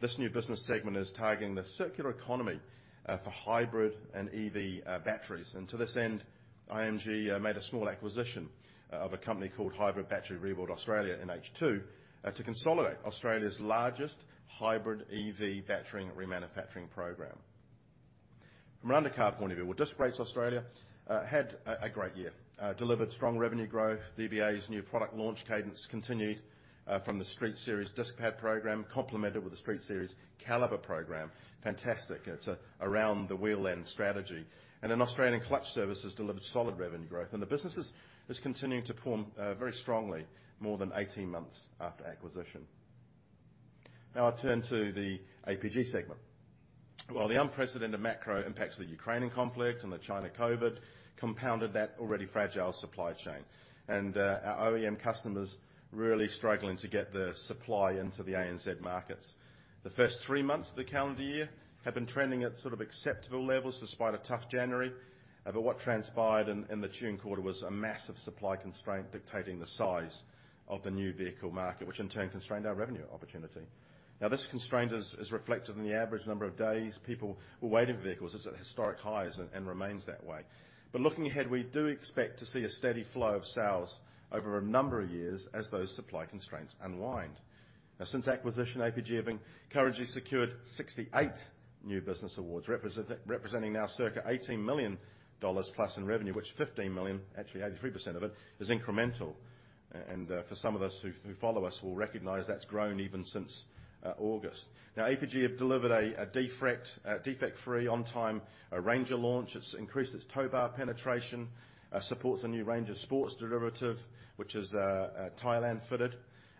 This new business segment is targeting the circular economy for hybrid and EV batteries. To this end, IM Group made a small acquisition of a company called Hybrid Battery Rebuild Australia in H2 to consolidate Australia's largest hybrid EV battery remanufacturing program. From around the car point of view, well, Disc Brakes Australia had a great year. Delivered strong revenue growth. DBA's new product launch cadence continued from the Street Series disc pad program, complemented with the Street Series caliper program. Fantastic. It's around the wheel end strategy. In Australian Clutch Services delivered solid revenue growth. The business is continuing to perform very strongly, more than 18 months after acquisition. Now I turn to the APG segment. Well, the unprecedented macro impacts of the Ukrainian conflict and the China COVID compounded that already fragile supply chain. Our OEM customers really struggling to get the supply into the ANZ markets. The first three months of the calendar year have been trending at sort of acceptable levels despite a tough January. What transpired in the June quarter was a massive supply constraint dictating the size of the new vehicle market, which in turn constrained our revenue opportunity. This constraint is reflected in the average number of days people were waiting for vehicles. It's at historic highs and remains that way. Looking ahead, we do expect to see a steady flow of sales over a number of years as those supply constraints unwind. Since acquisition, APG have encouraged and secured 68 new business awards, representing now circa 18 million dollars plus in revenue, which 15 million, actually 83% of it, is incremental. For some of us who follow us will recognize that's grown even since August. APG have delivered a defect-free on-time Ranger launch. It's increased its tow bar penetration, supports a new range of sports derivative, which is Thailand fitted.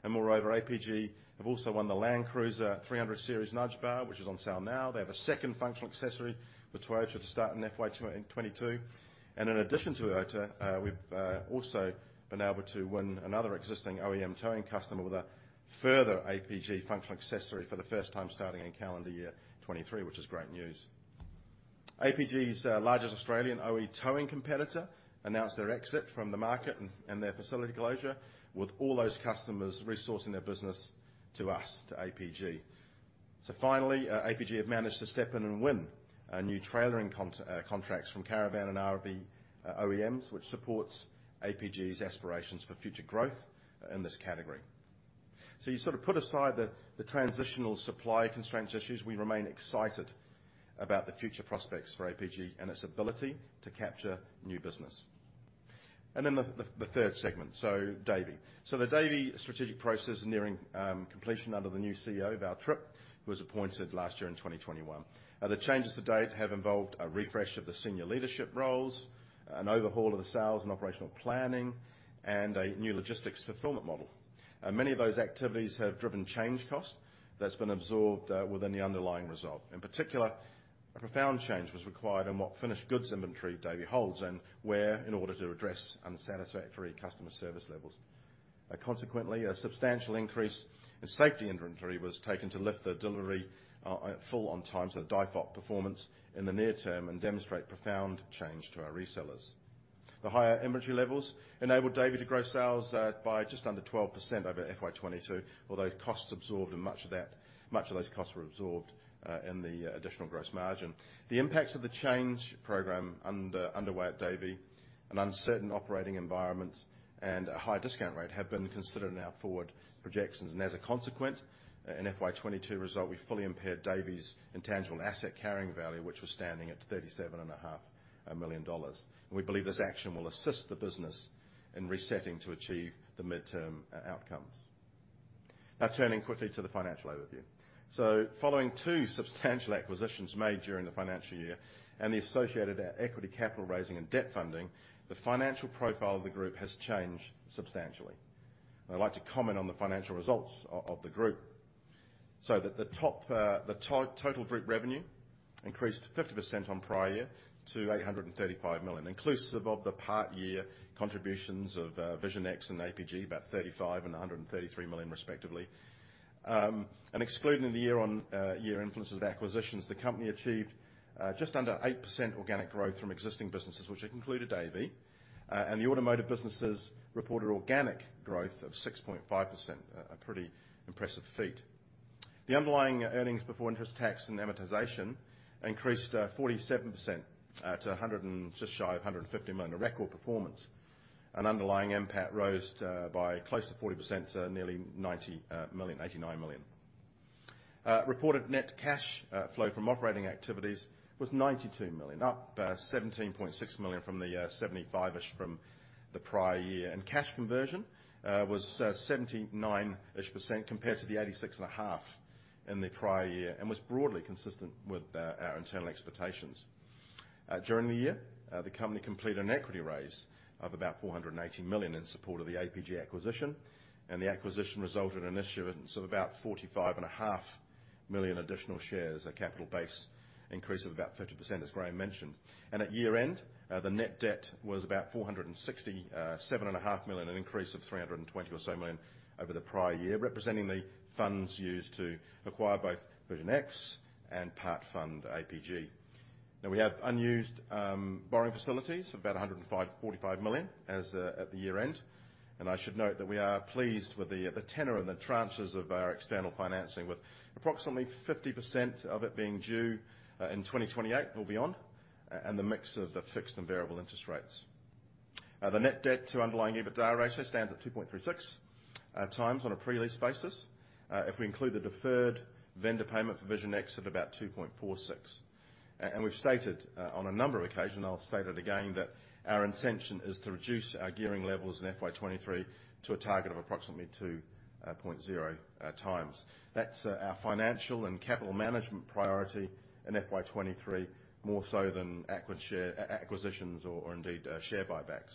Moreover, APG have also won the Land Cruiser 300 series Nudge Bar, which is on sale now. They have a second functional accessory with Toyota to start in FY 2022. In addition to Toyota, we've also been able to win another existing OEM towing customer with a further APG functional accessory for the first time starting in calendar year 2023, which is great news. APG's largest Australian OE towing competitor announced their exit from the market and their facility closure, with all those customers resourcing their business to us, to APG. Finally, APG have managed to step in and win new trailering contracts from Caravan and RV OEMs, which supports APG's aspirations for future growth in this category. You sort of put aside the transitional supply constraints issues. We remain excited about the future prospects for APG and its ability to capture new business. The third segment, Davey. The Davey strategic process is nearing completion under the new CEO, Val Tripp, who was appointed last year in 2021. The changes to date have involved a refresh of the senior leadership roles, an overhaul of the sales and operational planning, and a new logistics fulfillment model. Many of those activities have driven change costs that's been absorbed within the underlying result. In particular, a profound change was required on what finished goods inventory Davey holds and where in order to address unsatisfactory customer service levels. Consequently, a substantial increase in safety inventory was taken to lift the delivery full on time, so DIFOT performance in the near term and demonstrate profound change to our resellers. The higher inventory levels enabled Davey to grow sales by just under 12% over FY 2022, although costs absorbed and much of those costs were absorbed in the additional gross margin. The impacts of the change program underway at Davey, an uncertain operating environment, and a high discount rate have been considered in our forward projections. As a consequence, in FY 2022 result, we fully impaired Davey's intangible asset carrying value, which was standing at 37.5 million dollars. We believe this action will assist the business in resetting to achieve the midterm outcomes. Now turning quickly to the financial overview. Following two substantial acquisitions made during the financial year and the associated equity capital raising and debt funding, the financial profile of the group has changed substantially. I'd like to comment on the financial results of the group. The total group revenue increased 50% on prior year to 835 million, inclusive of the part-year contributions of Vision X and APG, about 35 million and 133 million respectively. Excluding the year-on-year influences of acquisitions, the company achieved just under 8% organic growth from existing businesses, which included Davey. The automotive businesses reported organic growth of 6.5%, a pretty impressive feat. The underlying earnings before interest tax and amortization increased 47% to 150 million, a record performance. Underlying NPAT rose by close to 40% to nearly 90 million, 89 million. Reported net cash flow from operating activities was 92 million, up 17.6 million from the 75-ish million from the prior year. Cash conversion was 79-ish% compared to the 86.5% in the prior year, and was broadly consistent with our internal expectations. During the year, the company completed an equity raise of about 480 million in support of the APG acquisition. The acquisition resulted in issuance of about 45.5 million additional shares, a capital base increase of about 50%, as Graeme mentioned. At year-end, the net debt was about 467.5 million, an increase of 320 million or so over the prior year, representing the funds used to acquire both Vision X and part fund APG. Now, we have unused borrowing facilities of about 105.45 million as at the year-end. I should note that we are pleased with the tenor and the tranches of our external financing, with approximately 50% of it being due in 2028 or beyond, and the mix of the fixed and variable interest rates. The net debt to underlying EBITDA ratio stands at 2.36 times on a pre-lease basis. If we include the deferred vendor payment for Vision X at about 2.46. We've stated on a number of occasions, I'll state it again, that our intention is to reduce our gearing levels in FY 2023 to a target of approximately 2.0 times. That's our financial and capital management priority in FY 2023, more so than acquisitions or indeed share buybacks.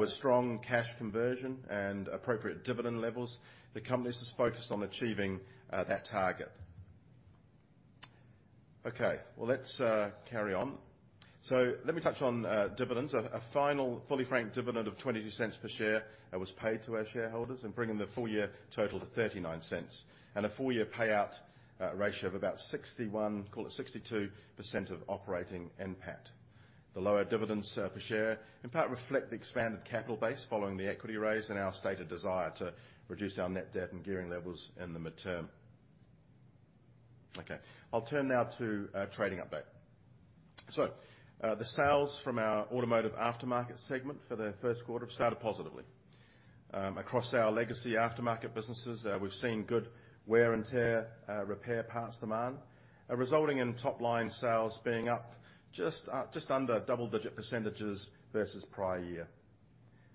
With strong cash conversion and appropriate dividend levels, the company's just focused on achieving that target. Okay, well, let's carry on. Let me touch on dividends. A final fully franked dividend of 0.22 per share was paid to our shareholders and bringing the full year total to 0.39, and a full year payout ratio of about 61%, call it 62% of operating NPAT. The lower dividends per share in part reflect the expanded capital base following the equity raise and our stated desire to reduce our net debt and gearing levels in the midterm. I'll turn now to a trading update. The sales from our automotive aftermarket segment for the first quarter started positively. Across our legacy aftermarket businesses, we've seen good wear and tear repair parts demand, resulting in top-line sales being up just under double-digit percentages versus prior year.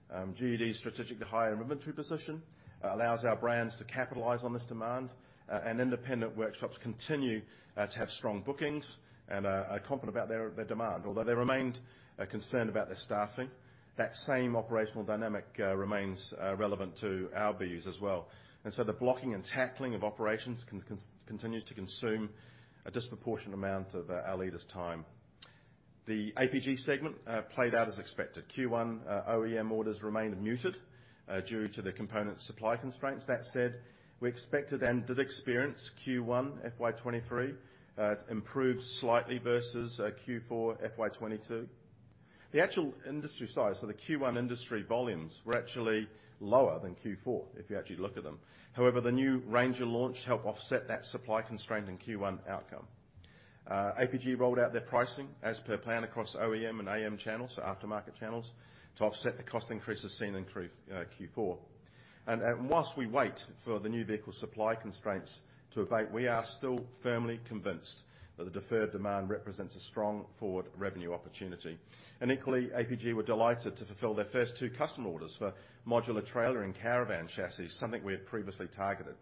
GUD's strategically higher inventory position allows our brands to capitalize on this demand, and independent workshops continue to have strong bookings and are confident about their demand. Although they remained concerned about their staffing, that same operational dynamic remains relevant to our BUs as well. The blocking and tackling of operations continues to consume a disproportionate amount of our leaders' time. The APG segment played out as expected. Q1 OEM orders remained muted due to the component supply constraints. That said, we expected and did experience Q1 FY 2023 improve slightly versus Q4 FY 2022. The actual industry size, so the Q1 industry volumes, were actually lower than Q4 if you actually look at them. However, the new Ranger launch helped offset that supply constraint in Q1 outcome. APG rolled out their pricing as per plan across OEM and AM channels, so aftermarket channels, to offset the cost increases seen in Q4. Whilst we wait for the new vehicle supply constraints to abate, we are still firmly convinced that the deferred demand represents a strong forward revenue opportunity. Equally, APG were delighted to fulfill their first two customer orders for modular trailer and caravan chassis, something we had previously targeted.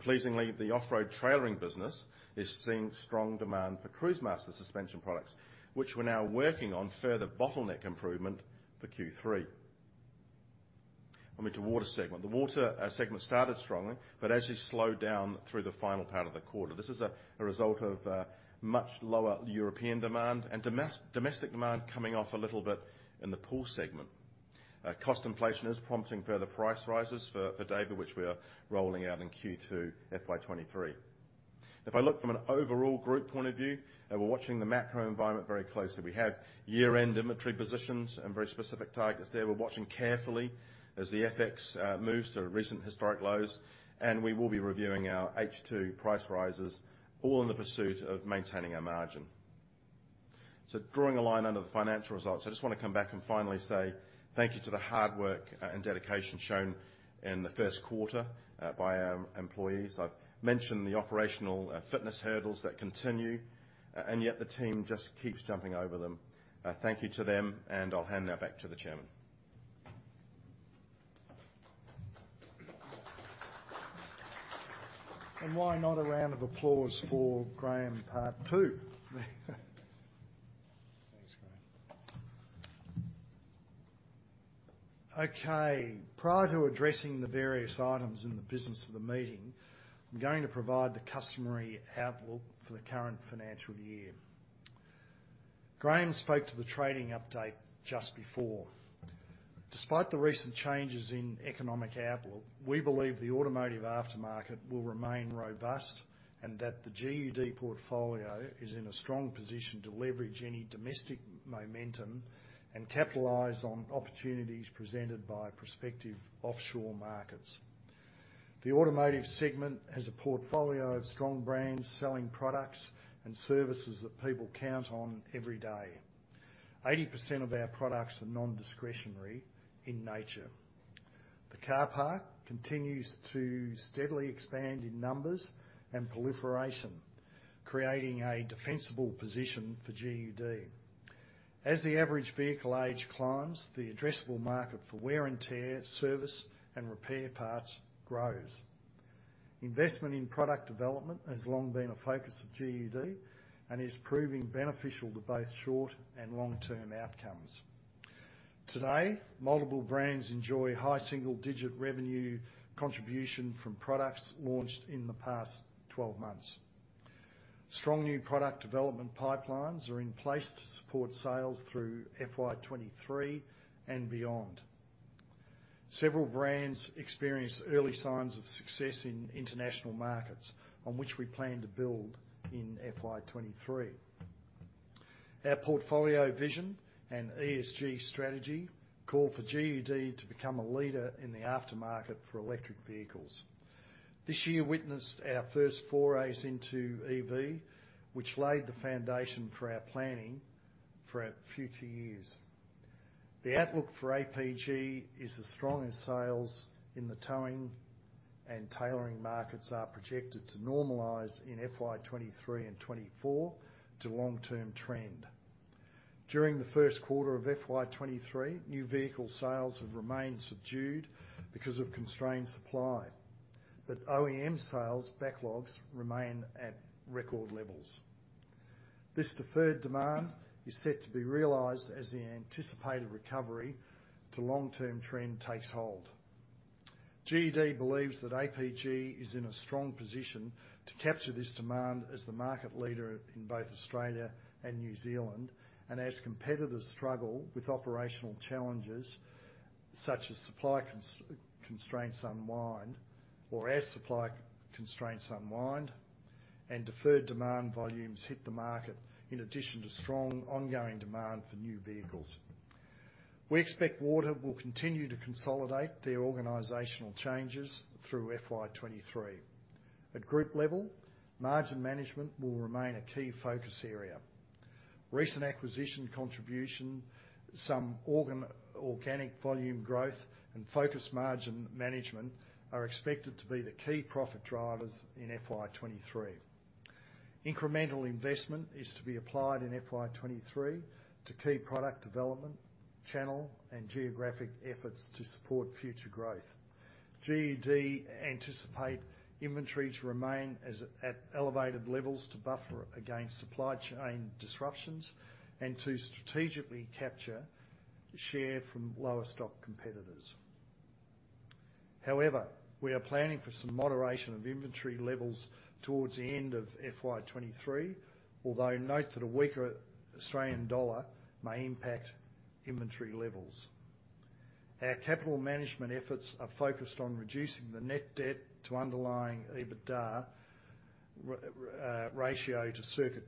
Pleasingly, the off-road trailering business is seeing strong demand for Cruisemaster suspension products, which we're now working on further bottleneck improvement for Q3. On to Water segment. The Water segment started strongly, but actually slowed down through the final part of the quarter. This is a result of much lower European demand and domestic demand coming off a little bit in the pool segment. Cost inflation is prompting further price rises for Davey, which we are rolling out in Q2 FY 2023. If I look from an overall group point of view, and we're watching the macro environment very closely, we have year-end inventory positions and very specific targets there. We're watching carefully as the FX moves to recent historic lows, and we will be reviewing our H2 price rises, all in the pursuit of maintaining our margin. Drawing a line under the financial results, I just wanna come back and finally say thank you to the hard work and dedication shown in the first quarter by our employees. I've mentioned the operational fitness hurdles that continue, and yet the team just keeps jumping over them. Thank you to them, and I'll hand now back to the chairman. Why not a round of applause for Graeme part two? Thanks, Graeme. Okay, prior to addressing the various items in the business of the meeting, I'm going to provide the customary outlook for the current financial year. Graeme spoke to the trading update just before. Despite the recent changes in economic outlook, we believe the automotive aftermarket will remain robust and that the GUD portfolio is in a strong position to leverage any domestic momentum and capitalize on opportunities presented by prospective offshore markets. The automotive segment has a portfolio of strong brands selling products and services that people count on every day. 80% of our products are non-discretionary in nature. The car park continues to steadily expand in numbers and proliferation, creating a defensible position for GUD. As the average vehicle age climbs, the addressable market for wear-and-tear service and repair parts grows. Investment in product development has long been a focus of GUD and is proving beneficial to both short and long-term outcomes. Today, multiple brands enjoy high single-digit revenue contribution from products launched in the past 12 months. Strong new product development pipelines are in place to support sales through FY 2023 and beyond. Several brands experienced early signs of success in international markets, on which we plan to build in FY 2023. Our portfolio vision and ESG strategy call for GUD to become a leader in the aftermarket for electric vehicles. This year witnessed our first forays into EV, which laid the foundation for our planning for future years. The outlook for APG is as strong as sales in the towing and trailering markets are projected to normalize in FY 2023 and 2024 to long-term trend. During the first quarter of FY 2023, new vehicle sales have remained subdued because of constrained supply, but OEM sales backlogs remain at record levels. This deferred demand is set to be realized as the anticipated recovery to long-term trend takes hold. GUD believes that APG is in a strong position to capture this demand as the market leader in both Australia and New Zealand, and as competitors struggle with operational challenges, such as supply constraints unwind and deferred demand volumes hit the market, in addition to strong ongoing demand for new vehicles. We expect Warde will continue to consolidate their organizational changes through FY 2023. At group level, margin management will remain a key focus area. Recent acquisition contribution, some organic volume growth, and focus margin management are expected to be the key profit drivers in FY 2023. Incremental investment is to be applied in FY 2023 to key product development, channel, and geographic efforts to support future growth. GUD anticipate inventory to remain at elevated levels to buffer against supply chain disruptions and to strategically capture share from lower stock competitors. However, we are planning for some moderation of inventory levels towards the end of FY 2023, although note that a weaker Australian dollar may impact inventory levels. Our capital management efforts are focused on reducing the net debt to underlying EBITDA ratio to circa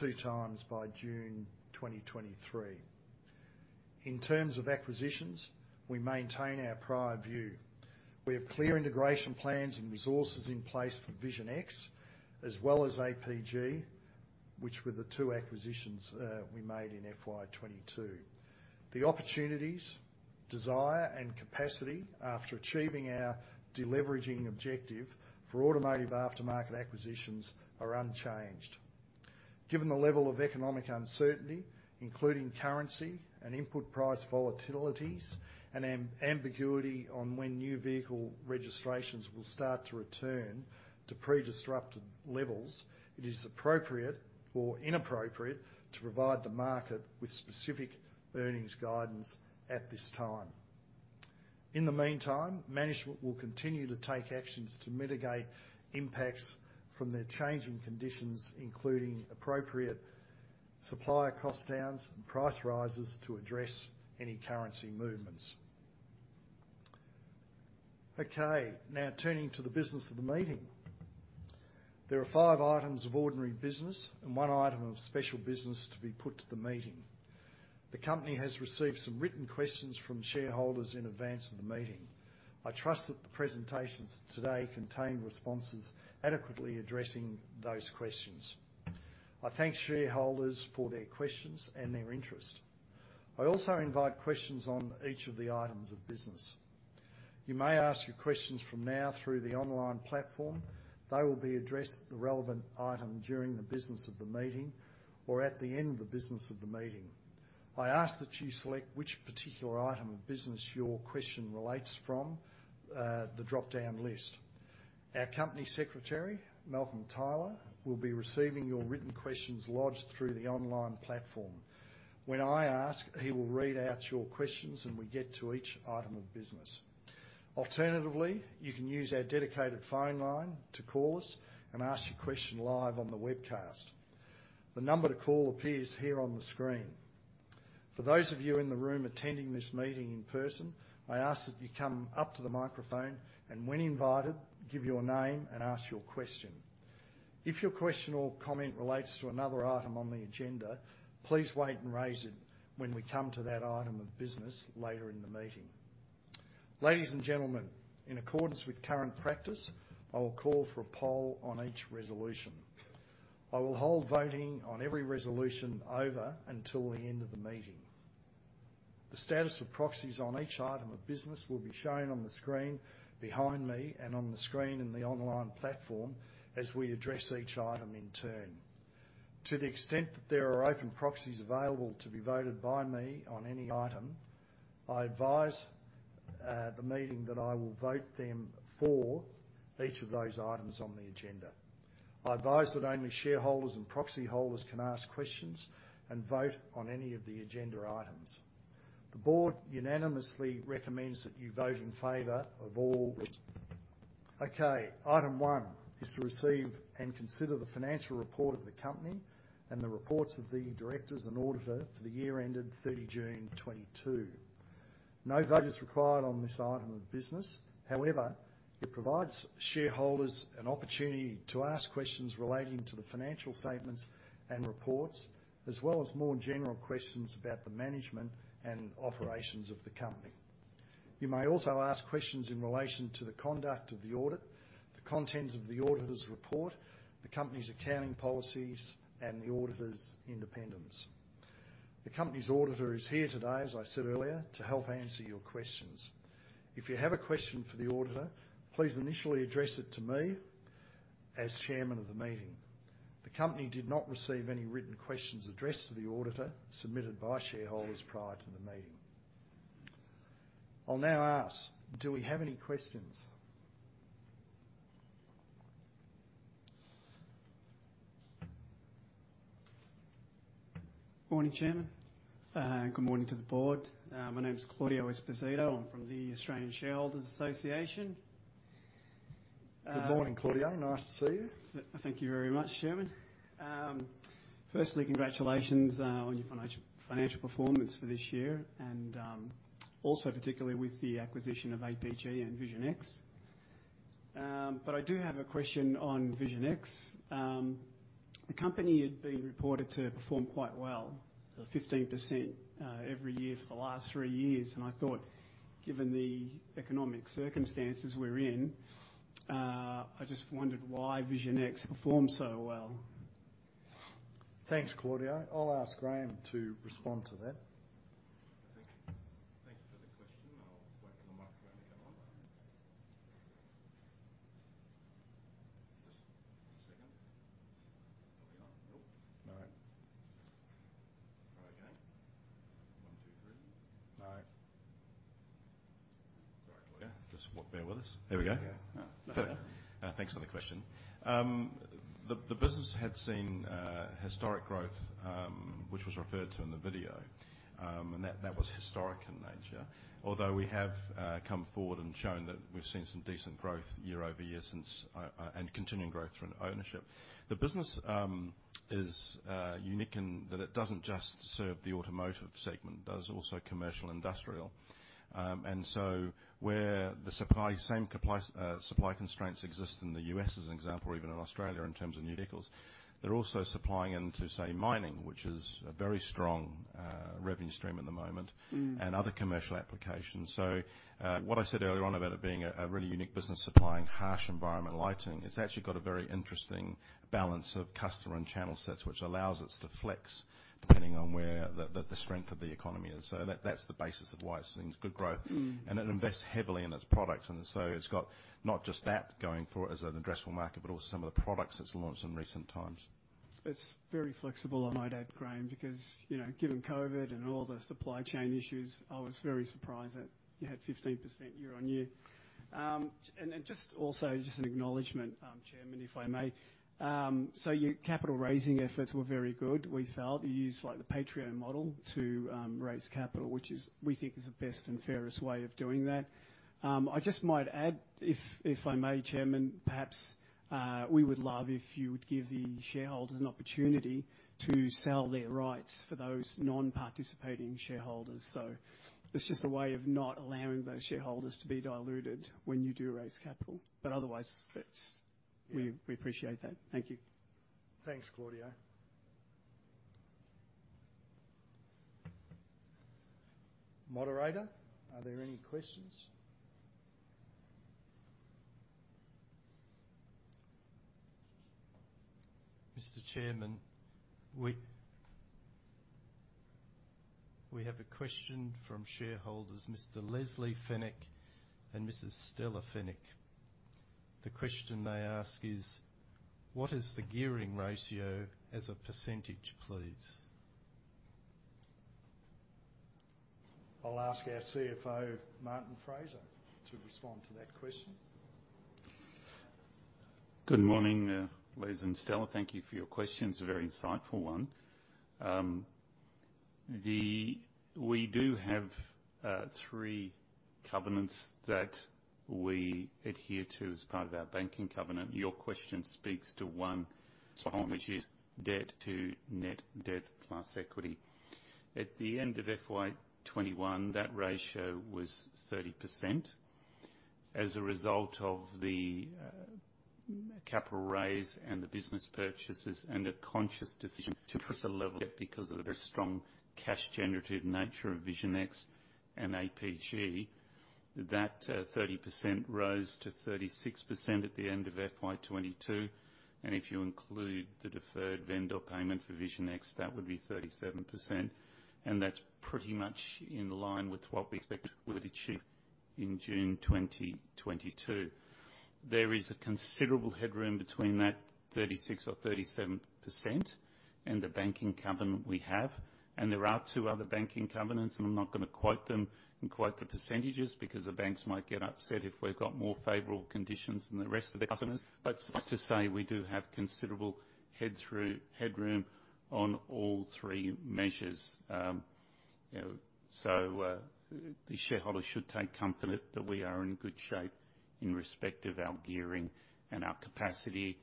2x by June 2023. In terms of acquisitions, we maintain our prior view. We have clear integration plans and resources in place for Vision X as well as APG, which were the two acquisitions we made in FY 2022. The opportunities, desire, and capacity after achieving our deleveraging objective for automotive aftermarket acquisitions are unchanged. Given the level of economic uncertainty, including currency and input price volatilities and ambiguity on when new vehicle registrations will start to return to pre-disrupted levels, it is appropriate or inappropriate to provide the market with specific earnings guidance at this time. In the meantime, management will continue to take actions to mitigate impacts from the changing conditions, including appropriate supplier cost downs and price rises to address any currency movements. Okay, now turning to the business of the meeting. There are five items of ordinary business and one item of special business to be put to the meeting. The company has received some written questions from shareholders in advance of the meeting. I trust that the presentations today contain responses adequately addressing those questions. I thank shareholders for their questions and their interest. I also invite questions on each of the items of business. You may ask your questions from now through the online platform. They will be addressed at the relevant item during the business of the meeting or at the end of the business of the meeting. I ask that you select which particular item of business your question relates to, the dropdown list. Our company secretary, Malcolm Tyler, will be receiving your written questions lodged through the online platform. When I ask, he will read out your questions, and we get to each item of business. Alternatively, you can use our dedicated phone line to call us and ask your question live on the webcast. The number to call appears here on the screen. For those of you in the room attending this meeting in person, I ask that you come up to the microphone and, when invited, give your name and ask your question. If your question or comment relates to another item on the agenda, please wait and raise it when we come to that item of business later in the meeting. Ladies and gentlemen, in accordance with current practice, I will call for a poll on each resolution. I will hold voting on every resolution over until the end of the meeting. The status of proxies on each item of business will be shown on the screen behind me and on the screen in the online platform as we address each item in turn. To the extent that there are open proxies available to be voted by me on any item, I advise the meeting that I will vote them for each of those items on the agenda. I advise that only shareholders and proxy holders can ask questions and vote on any of the agenda items. Item one is to receive and consider the financial report of the company and the reports of the directors and auditor for the year ended 30 June 2022. No vote is required on this item of business. However, it provides shareholders an opportunity to ask questions relating to the financial statements and reports, as well as more general questions about the management and operations of the company. You may also ask questions in relation to the conduct of the audit, the contents of the auditor's report, the company's accounting policies, and the auditor's independence. The company's auditor is here today, as I said earlier, to help answer your questions. If you have a question for the auditor, please initially address it to me as chairman of the meeting. The company did not receive any written questions addressed to the auditor submitted by shareholders prior to the meeting. I'll now ask, do we have any questions? Morning, Chairman. Good morning to the board. My name is Claudio Esposito. I'm from the Australian Shareholders' Association. Good morning, Claudio. Nice to see you. Thank you very much, Chairman. Firstly, congratulations on your financial performance for this year and also particularly with the acquisition of APG and Vision X. I do have a question on Vision X. The company had been reported to perform quite well, at 15% every year for the last three years, and I thought, given the economic circumstances we're in, I just wondered why Vision X performed so well. Thanks, Claudio. I'll ask Graeme to respond to that. Thank you. Thank you for the question. I'll wait for the microphone to get on. Just a second. Are we on? Nope. No. Try again. one, two, three. No. Sorry, Claudio. Just bear with us. There we go. Yeah. Thanks for the question. The business had seen historic growth, which was referred to in the video. That was historic in nature. Although we have come forward and shown that we've seen some decent growth year over year since continuing growth through ownership. The business is unique in that it doesn't just serve the automotive segment, it does also commercial and industrial. Where the supply constraints exist in the U.S. as an example, or even in Australia in terms of new vehicles, they're also supplying into, say, mining, which is a very strong revenue stream at the moment. And other commercial applications. What I said earlier on about it being a really unique business supplying harsh environment lighting, it's actually got a very interesting balance of customer and channel sets, which allows us to flex depending on where the strength of the economy is. That, that's the basis of why it's seen good growth. It invests heavily in its product, and so it's got not just that going for it as an addressable market, but also some of the products it's launched in recent times. It's very flexible, I might add, Graeme, because, you know, given COVID and all the supply chain issues, I was very surprised that you had 15% year-on-year. Then just an acknowledgement, Chairman, if I may. So your capital raising efforts were very good. We felt you used like the pro-rata model to raise capital, which is, we think, the best and fairest way of doing that. I just might add, if I may, Chairman, perhaps we would love if you would give the shareholders an opportunity to sell their rights for those non-participating shareholders. It's just a way of not allowing those shareholders to be diluted when you do raise capital. Otherwise, it's Yeah. We appreciate that. Thank you. Thanks, Claudio. Moderator, are there any questions? Mr. Chairman, we have a question from shareholders, Mr. Leslie Fenech and Mrs. Stella Fenech. The question they ask is: What is the gearing ratio as a percentage, please? I'll ask our CFO, Martin Fraser, to respond to that question. Good morning, Leslie and Stella. Thank you for your question. It's a very insightful one. We do have three covenants that we adhere to as part of our banking covenant. Your question speaks to one. Spot on. ...which is debt to net debt plus equity. At the end of FY 2021, that ratio was 30%. As a result of the capital raise and the business purchases and a conscious decision to push the level up because of the very strong cash generative nature of Vision X and APG, that 30% rose to 36% at the end of FY 2022, and if you include the deferred vendor payment for Vision X, that would be 37%, and that's pretty much in line with what we expected we would achieve in June 2022. There is a considerable headroom between that 36% or 37% and the banking covenant we have. There are two other banking covenants, and I'm not gonna quote them and quote the percentages because the banks might get upset if we've got more favorable conditions than the rest of the customers. Just to say we do have considerable headroom on all three measures. You know, the shareholders should take comfort that we are in good shape in respect of our gearing and our capacity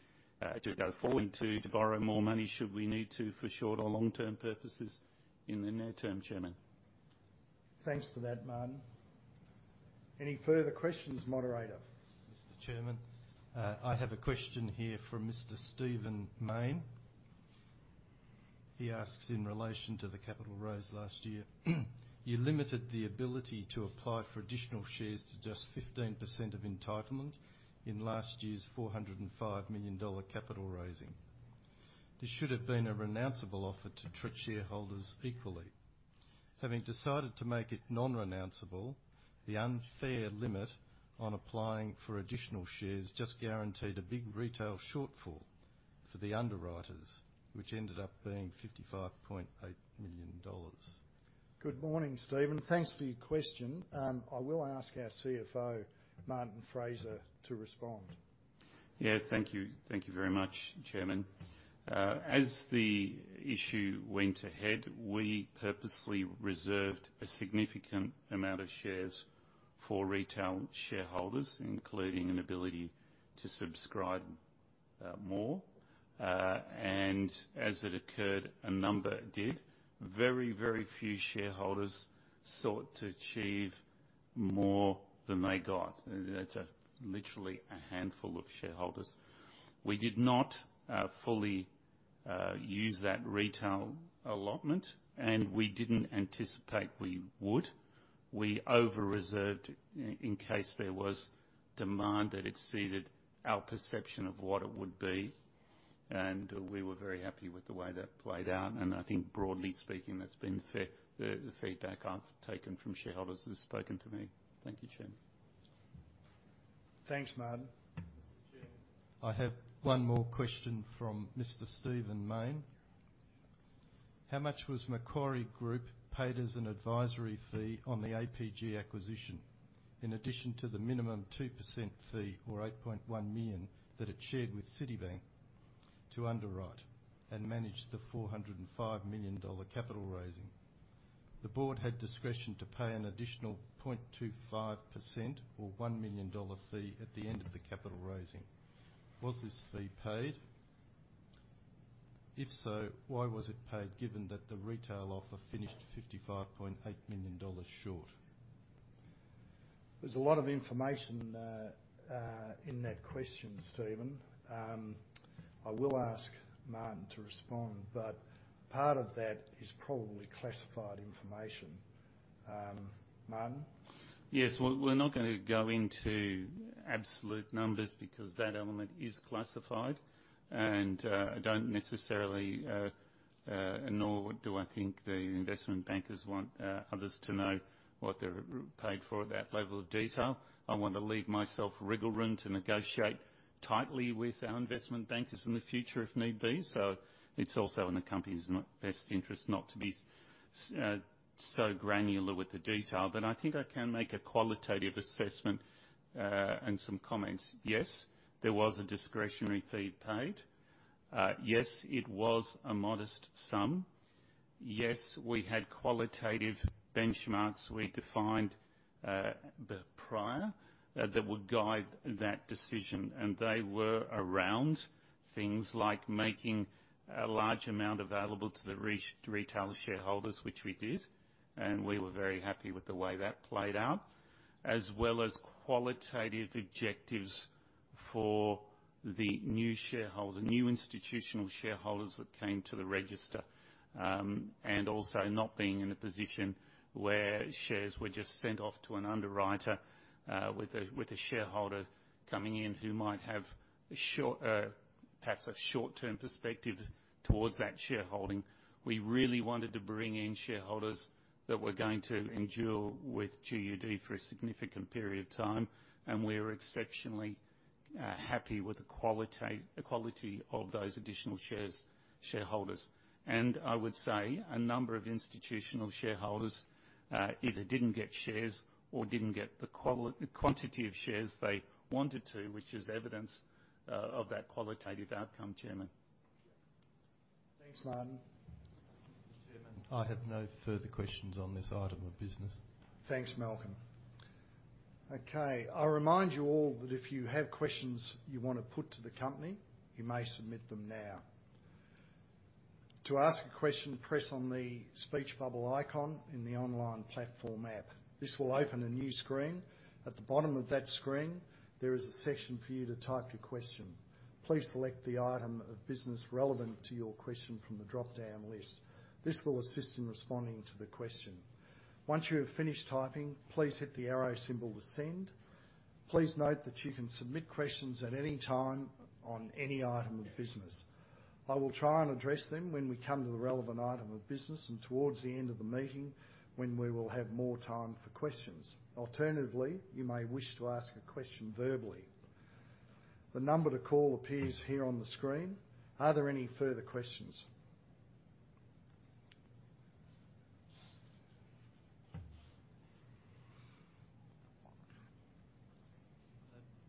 to go forward to borrow more money, should we need to, for short or long-term purposes in the near term, Chairman. Thanks for that, Martin. Any further questions, moderator? Mr. Chairman, I have a question here from Mr. Stephen Mayne. He asks in relation to the capital raise last year, you limited the ability to apply for additional shares to just 15% of entitlement in last year's 405 million dollar capital raising. This should have been a renounceable offer to treat shareholders equally. Having decided to make it non-renounceable, the unfair limit on applying for additional shares just guaranteed a big retail shortfall for the underwriters, which ended up being AUD 55.8 million. Good morning, Stephen. Thanks for your question. I will ask our CFO, Martin Fraser, to respond. Yeah, thank you. Thank you very much, Chairman. As the issue went ahead, we purposely reserved a significant amount of shares for retail shareholders, including an ability to subscribe more. As it occurred, a number did. Very, very few shareholders sought to achieve more than they got. It's literally a handful of shareholders. We did not fully use that retail allotment, and we didn't anticipate we would. We over-reserved in case there was demand that exceeded our perception of what it would be, and we were very happy with the way that played out. I think broadly speaking, that's been the feedback I've taken from shareholders who've spoken to me. Thank you, Chairman. Thanks, Martin. Mr. Chairman, I have one more question from Mr. Stephen Mayne. How much was Macquarie Group paid as an advisory fee on the APG acquisition, in addition to the minimum 2% fee or 8.1 million that it shared with Citi to underwrite and manage the 405 million dollar capital raising? The board had discretion to pay an additional 0.25% or 1 million dollar fee at the end of the capital raising. Was this fee paid? If so, why was it paid, given that the retail offer finished 55.8 million dollars short? There's a lot of information in that question, Stephen. I will ask Martin to respond, but part of that is probably classified information. Martin? Yes. We're not gonna go into absolute numbers because that element is classified, and I don't necessarily nor do I think the investment bankers want others to know what they're paid for at that level of detail. I want to leave myself wiggle room to negotiate tightly with our investment bankers in the future if need be. It's also in the company's best interest not to be so granular with the detail. I think I can make a qualitative assessment, and some comments. Yes, there was a discretionary fee paid. Yes, it was a modest sum. Yes, we had qualitative benchmarks we defined prior that would guide that decision, and they were around things like making a large amount available to the retail shareholders, which we did, and we were very happy with the way that played out, as well as qualitative objectives for the new shareholder, new institutional shareholders that came to the register. Also not being in a position where shares were just sent off to an underwriter with a shareholder coming in who might have a short-term perspective towards that shareholding. We really wanted to bring in shareholders that were going to endure with GUD for a significant period of time, and we're exceptionally happy with the quality of those additional shareholders. I would say a number of institutional shareholders either didn't get shares or didn't get the quantity of shares they wanted to, which is evidence of that qualitative outcome, Chairman. Thanks, Martin. Mr. Chairman, I have no further questions on this item of business. Thanks, Malcolm. Okay, I remind you all that if you have questions you wanna put to the company, you may submit them now. To ask a question, press on the speech bubble icon in the online platform app. This will open a new screen. At the bottom of that screen, there is a section for you to type your question. Please select the item of business relevant to your question from the dropdown list. This will assist in responding to the question. Once you have finished typing, please hit the arrow symbol to send. Please note that you can submit questions at any time on any item of business. I will try and address them when we come to the relevant item of business and towards the end of the meeting when we will have more time for questions. Alternatively, you may wish to ask a question verbally. The number to call appears here on the screen. Are there any further questions?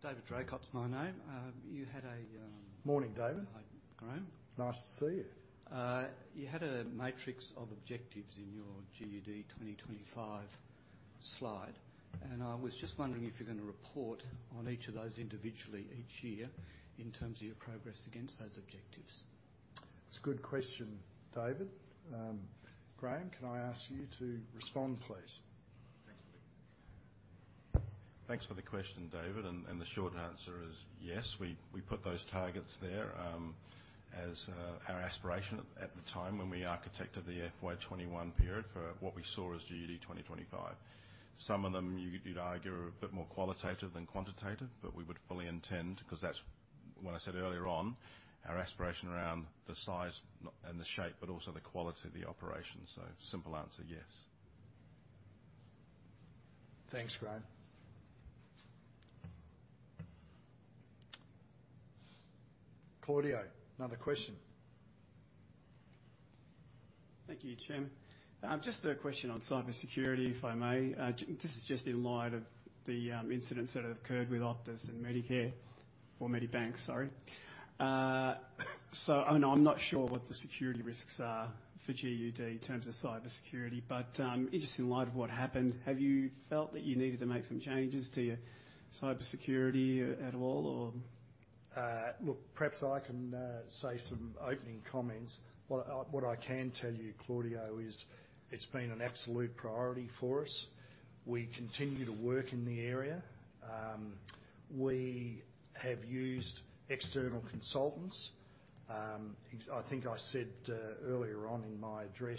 David Dracott's my name. Morning, David. Hi, Graeme. Nice to see you. You had a matrix of objectives in your GUD 2025 slide, and I was just wondering if you're gonna report on each of those individually each year in terms of your progress against those objectives. It's a good question, David. Graeme, can I ask you to respond, please? Thanks. Thanks for the question, David. The short answer is yes. We put those targets there as our aspiration at the time when we architected the FY 2021 period for what we saw as GUD 2025. Some of them you'd argue are a bit more qualitative than quantitative, but we would fully intend because that's what I said earlier on, our aspiration around the size and the shape, but also the quality of the operation. Simple answer, yes. Thanks, Graeme. Claudio, another question. Thank you, Chair. Just a question on cybersecurity, if I may. Just in light of the incidents that have occurred with Optus and Medibank, sorry. I know I'm not sure what the security risks are for GUD in terms of cybersecurity, but just in light of what happened, have you felt that you needed to make some changes to your cybersecurity at all or? Look, perhaps I can say some opening comments. What I can tell you, Claudio, is it's been an absolute priority for us. We continue to work in the area. We have used external consultants. I think I said earlier on in my address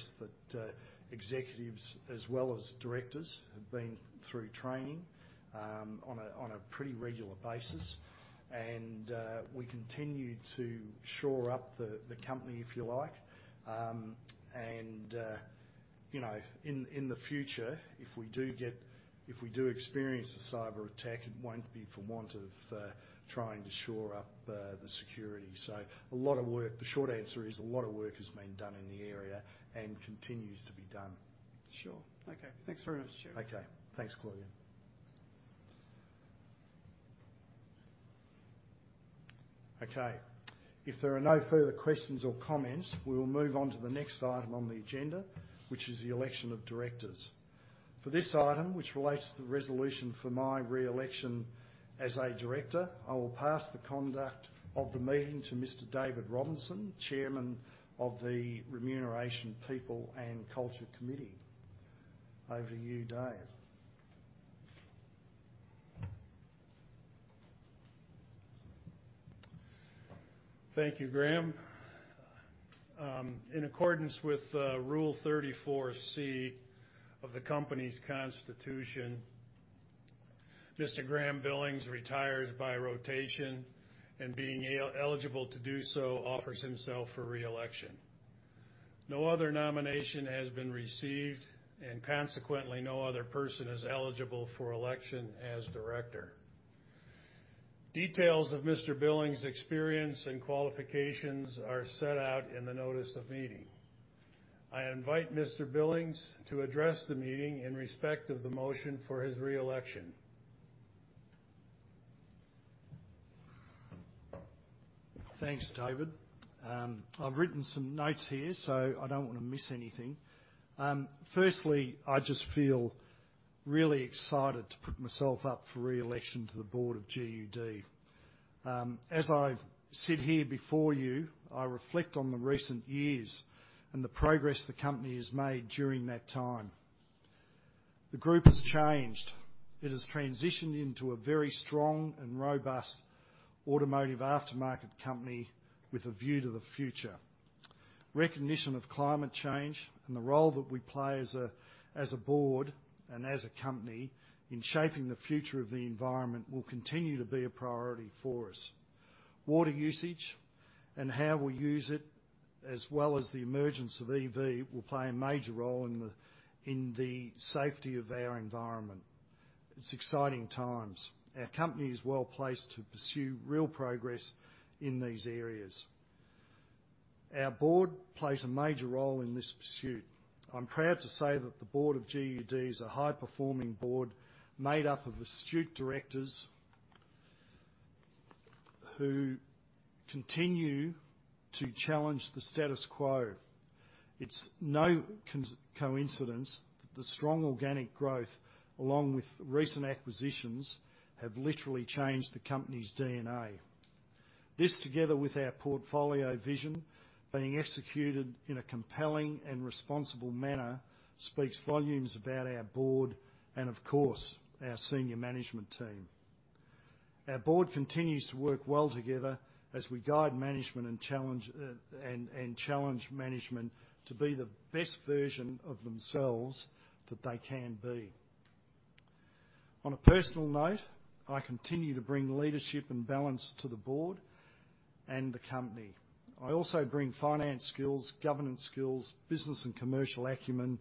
that executives as well as directors have been through training on a pretty regular basis. We continue to shore up the company, if you like. You know, in the future, if we do experience a cyberattack, it won't be for want of trying to shore up the security. A lot of work. The short answer is a lot of work has been done in the area and continues to be done. Sure. Okay. Thanks very much, Chair. Okay. Thanks, Claudio. Okay. If there are no further questions or comments, we will move on to the next item on the agenda, which is the election of directors. For this item, which relates to the resolution for my re-election as a director, I will pass the conduct of the meeting to Mr. David Robinson, Chairman of the Remuneration, People and Culture Committee. Over to you, Dave. Thank you, Graeme. In accordance with Rule 34C of the company's constitution, Mr. Graeme Billings retires by rotation and being eligible to do so, offers himself for re-election. No other nomination has been received, and consequently, no other person is eligible for election as director. Details of Mr. Billings' experience and qualifications are set out in the notice of meeting. I invite Mr. Billings to address the meeting in respect of the motion for his re-election. Thanks, David. I've written some notes here, so I don't wanna miss anything. Firstly, I just feel really excited to put myself up for re-election to the board of GUD. As I sit here before you, I reflect on the recent years and the progress the company has made during that time. The group has changed. It has transitioned into a very strong and robust automotive aftermarket company with a view to the future. Recognition of climate change and the role that we play as a board and as a company in shaping the future of the environment will continue to be a priority for us. Water usage and how we use it, as well as the emergence of EV, will play a major role in the safety of our environment. It's exciting times. Our company is well-placed to pursue real progress in these areas. Our board plays a major role in this pursuit. I'm proud to say that the board of GUD is a high-performing board made up of astute directors who continue to challenge the status quo. It's no coincidence that the strong organic growth, along with recent acquisitions, have literally changed the company's DNA. This, together with our portfolio vision being executed in a compelling and responsible manner, speaks volumes about our board and of course, our senior management team. Our board continues to work well together as we guide management and challenge management to be the best version of themselves that they can be. On a personal note, I continue to bring leadership and balance to the board and the company. I also bring finance skills, governance skills, business and commercial acumen,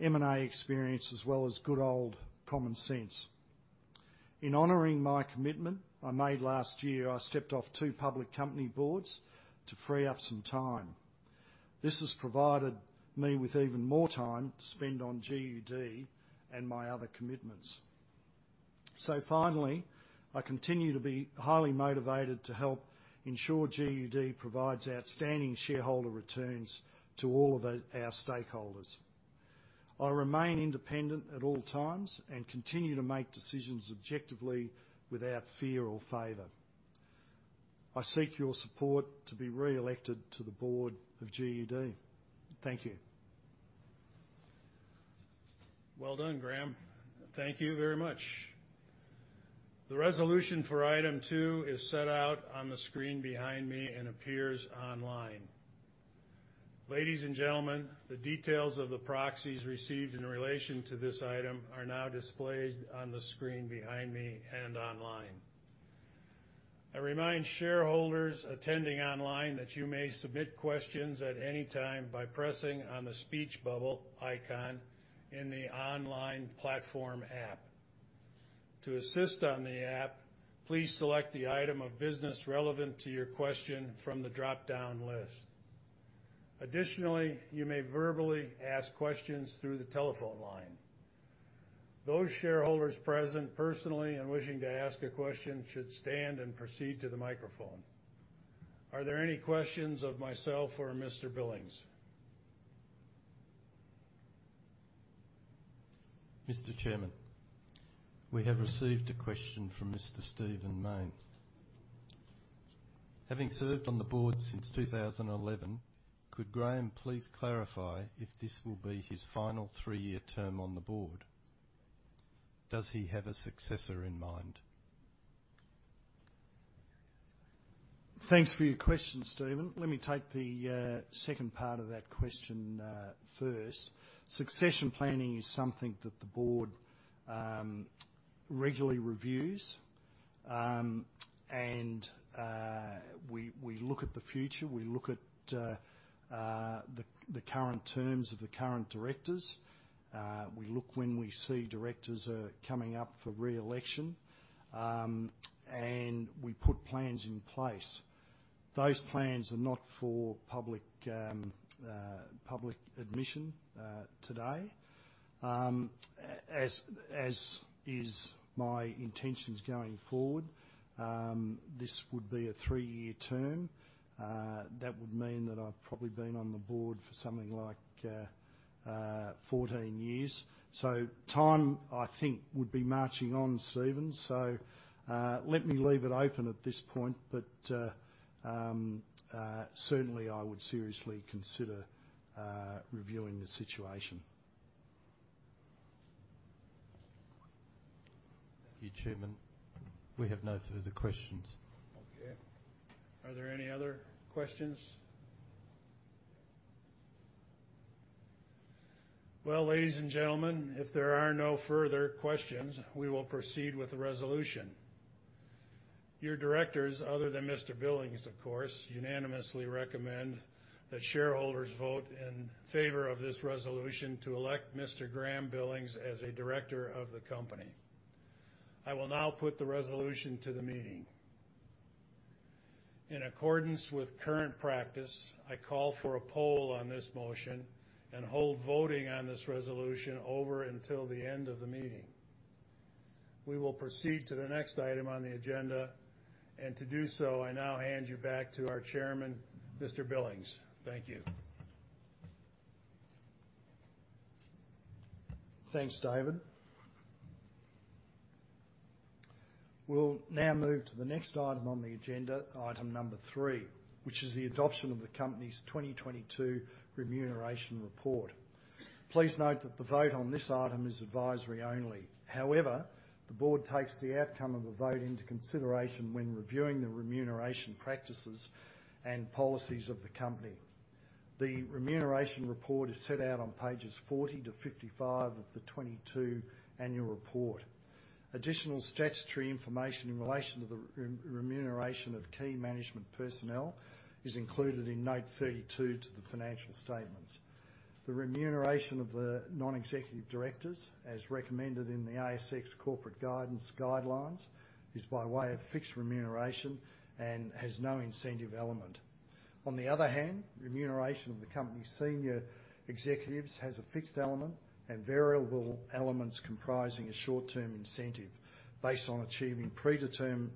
M&A experience, as well as good old common sense. In honoring my commitment I made last year, I stepped off two public company boards to free up some time. This has provided me with even more time to spend on GUD and my other commitments. Finally, I continue to be highly motivated to help ensure GUD provides outstanding shareholder returns to all of our stakeholders. I remain independent at all times and continue to make decisions objectively without fear or favor. I seek your support to be re-elected to the board of GUD. Thank you. Well done, Graeme. Thank you very much. The resolution for item two is set out on the screen behind me and appears online. Ladies and gentlemen, the details of the proxies received in relation to this item are now displayed on the screen behind me and online. I remind shareholders attending online that you may submit questions at any time by pressing on the speech bubble icon in the online platform app. To assist on the app, please select the item of business relevant to your question from the dropdown list. Additionally, you may verbally ask questions through the telephone line. Those shareholders present personally and wishing to ask a question should stand and proceed to the microphone. Are there any questions of myself or Mr. Billings? Mr. Chairman, we have received a question from Mr. Stephen Mayne. Having served on the board since 2011, could Graeme please clarify if this will be his final three-year term on the board? Does he have a successor in mind? Thanks for your question, Stephen. Let me take the second part of that question first. Succession planning is something that the board regularly reviews. We look at the future, we look at the current terms of the current directors. We look when we see directors are coming up for re-election. We put plans in place. Those plans are not for public admission today. As is my intentions going forward, this would be a three-year term. That would mean that I've probably been on the board for something like 14 years. Time, I think, would be marching on, Stephen. Let me leave it open at this point, but certainly I would seriously consider reviewing the situation. Thank you, Chairman. We have no further questions. Okay. Are there any other questions? Well, ladies and gentlemen, if there are no further questions, we will proceed with the resolution. Your directors, other than Mr. Billings, of course, unanimously recommend that shareholders vote in favor of this resolution to elect Mr. Graeme Billings as a director of the company. I will now put the resolution to the meeting. In accordance with current practice, I call for a poll on this motion and hold voting on this resolution over until the end of the meeting. We will proceed to the next item on the agenda. To do so, I now hand you back to our chairman, Mr. Billings. Thank you. Thanks, David. We'll now move to the next item on the agenda, item number three, which is the adoption of the company's 2022 remuneration report. Please note that the vote on this item is advisory only. However, the board takes the outcome of the vote into consideration when reviewing the remuneration practices and policies of the company. The remuneration report is set out on pages 40-55 of the 2022 annual report. Additional statutory information in relation to the remuneration of key management personnel is included in note 32 to the financial statements. The remuneration of the non-executive directors, as recommended in the ASX corporate guidance guidelines, is by way of fixed remuneration and has no incentive element. On the other hand, remuneration of the company's senior executives has a fixed element and variable elements comprising a short-term incentive based on achieving predetermined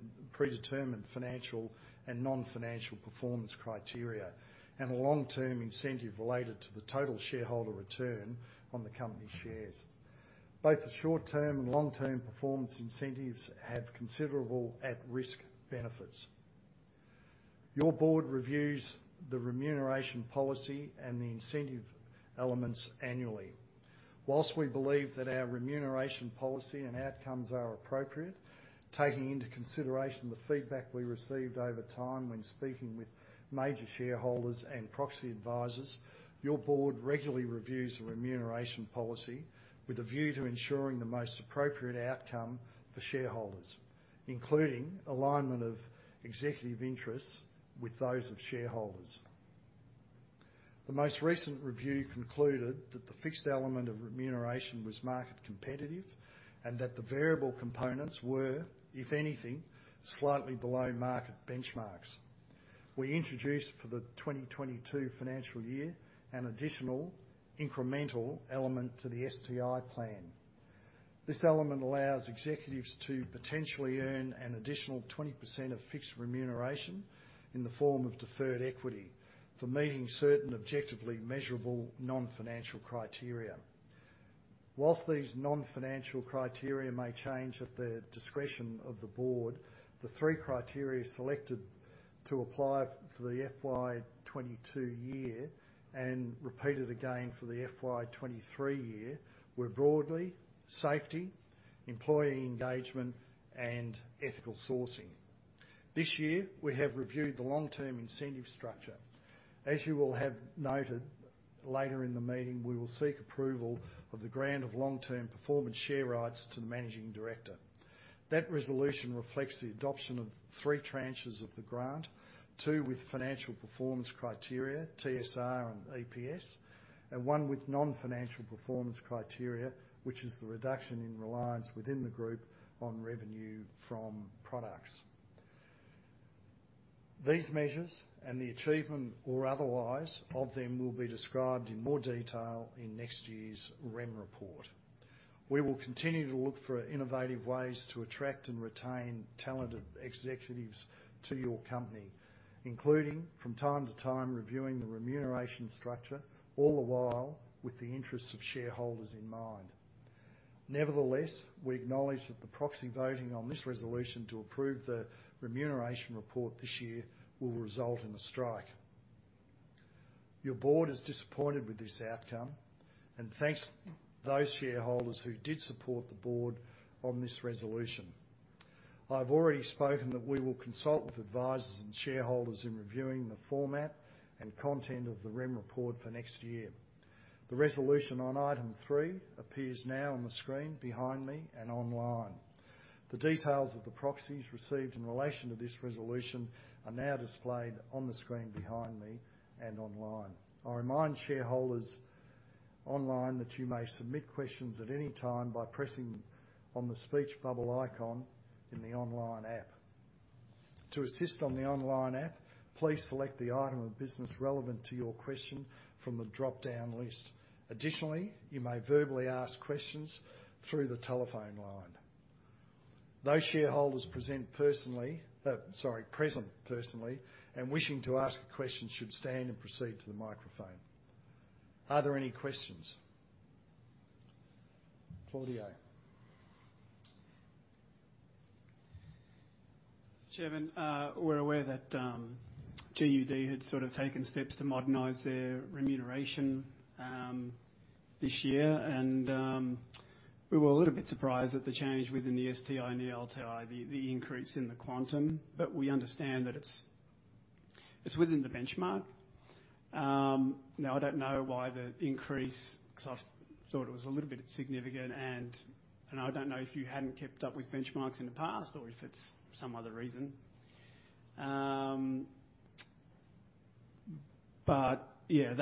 financial and non-financial performance criteria, and a long-term incentive related to the total shareholder return on the company's shares. Both the short-term and long-term performance incentives have considerable at-risk benefits. Your board reviews the remuneration policy and the incentive elements annually. While we believe that our remuneration policy and outcomes are appropriate, taking into consideration the feedback we received over time when speaking with major shareholders and proxy advisors, your board regularly reviews the remuneration policy with a view to ensuring the most appropriate outcome for shareholders, including alignment of executive interests with those of shareholders. The most recent review concluded that the fixed element of remuneration was market competitive and that the variable components were, if anything, slightly below market benchmarks. We introduced for the 2022 financial year an additional incremental element to the STI plan. This element allows executives to potentially earn an additional 20% of fixed remuneration in the form of deferred equity for meeting certain objectively measurable non-financial criteria. While these non-financial criteria may change at the discretion of the board, the three criteria selected to apply for the FY 2022 year and repeated again for the FY 2023 year were broadly safety, employee engagement, and ethical sourcing. This year, we have reviewed the long-term incentive structure. As you will have noted later in the meeting, we will seek approval of the grant of long-term performance share rights to the managing director. That resolution reflects the adoption of three tranches of the grant, two with financial performance criteria, TSR and EPS, and one with non-financial performance criteria, which is the reduction in reliance within the group on revenue from products. These measures and the achievement or otherwise of them will be described in more detail in next year's remuneration report. We will continue to look for innovative ways to attract and retain talented executives to your company, including from time to time, reviewing the remuneration structure, all the while with the interests of shareholders in mind. Nevertheless, we acknowledge that the proxy voting on this resolution to approve the remuneration report this year will result in a strike. Your board is disappointed with this outcome and thanks those shareholders who did support the board on this resolution. I've already spoken that we will consult with advisors and shareholders in reviewing the format and content of the REM report for next year. The resolution on item three appears now on the screen behind me and online. The details of the proxies received in relation to this resolution are now displayed on the screen behind me and online. I remind shareholders online that you may submit questions at any time by pressing on the speech bubble icon in the online app. To assist on the online app, please select the item of business relevant to your question from the dropdown list. Additionally, you may verbally ask questions through the telephone line. Those shareholders present personally and wishing to ask a question should stand and proceed to the microphone. Are there any questions? Claudio. Chairman, we're aware that GUD had sort of taken steps to modernize their remuneration this year, and we were a little bit surprised at the change within the STI and the LTI, the increase in the quantum, but we understand that it's within the benchmark. Now I don't know why the increase, because I thought it was a little bit significant and I don't know if you hadn't kept up with benchmarks in the past or if it's some other reason. But yeah,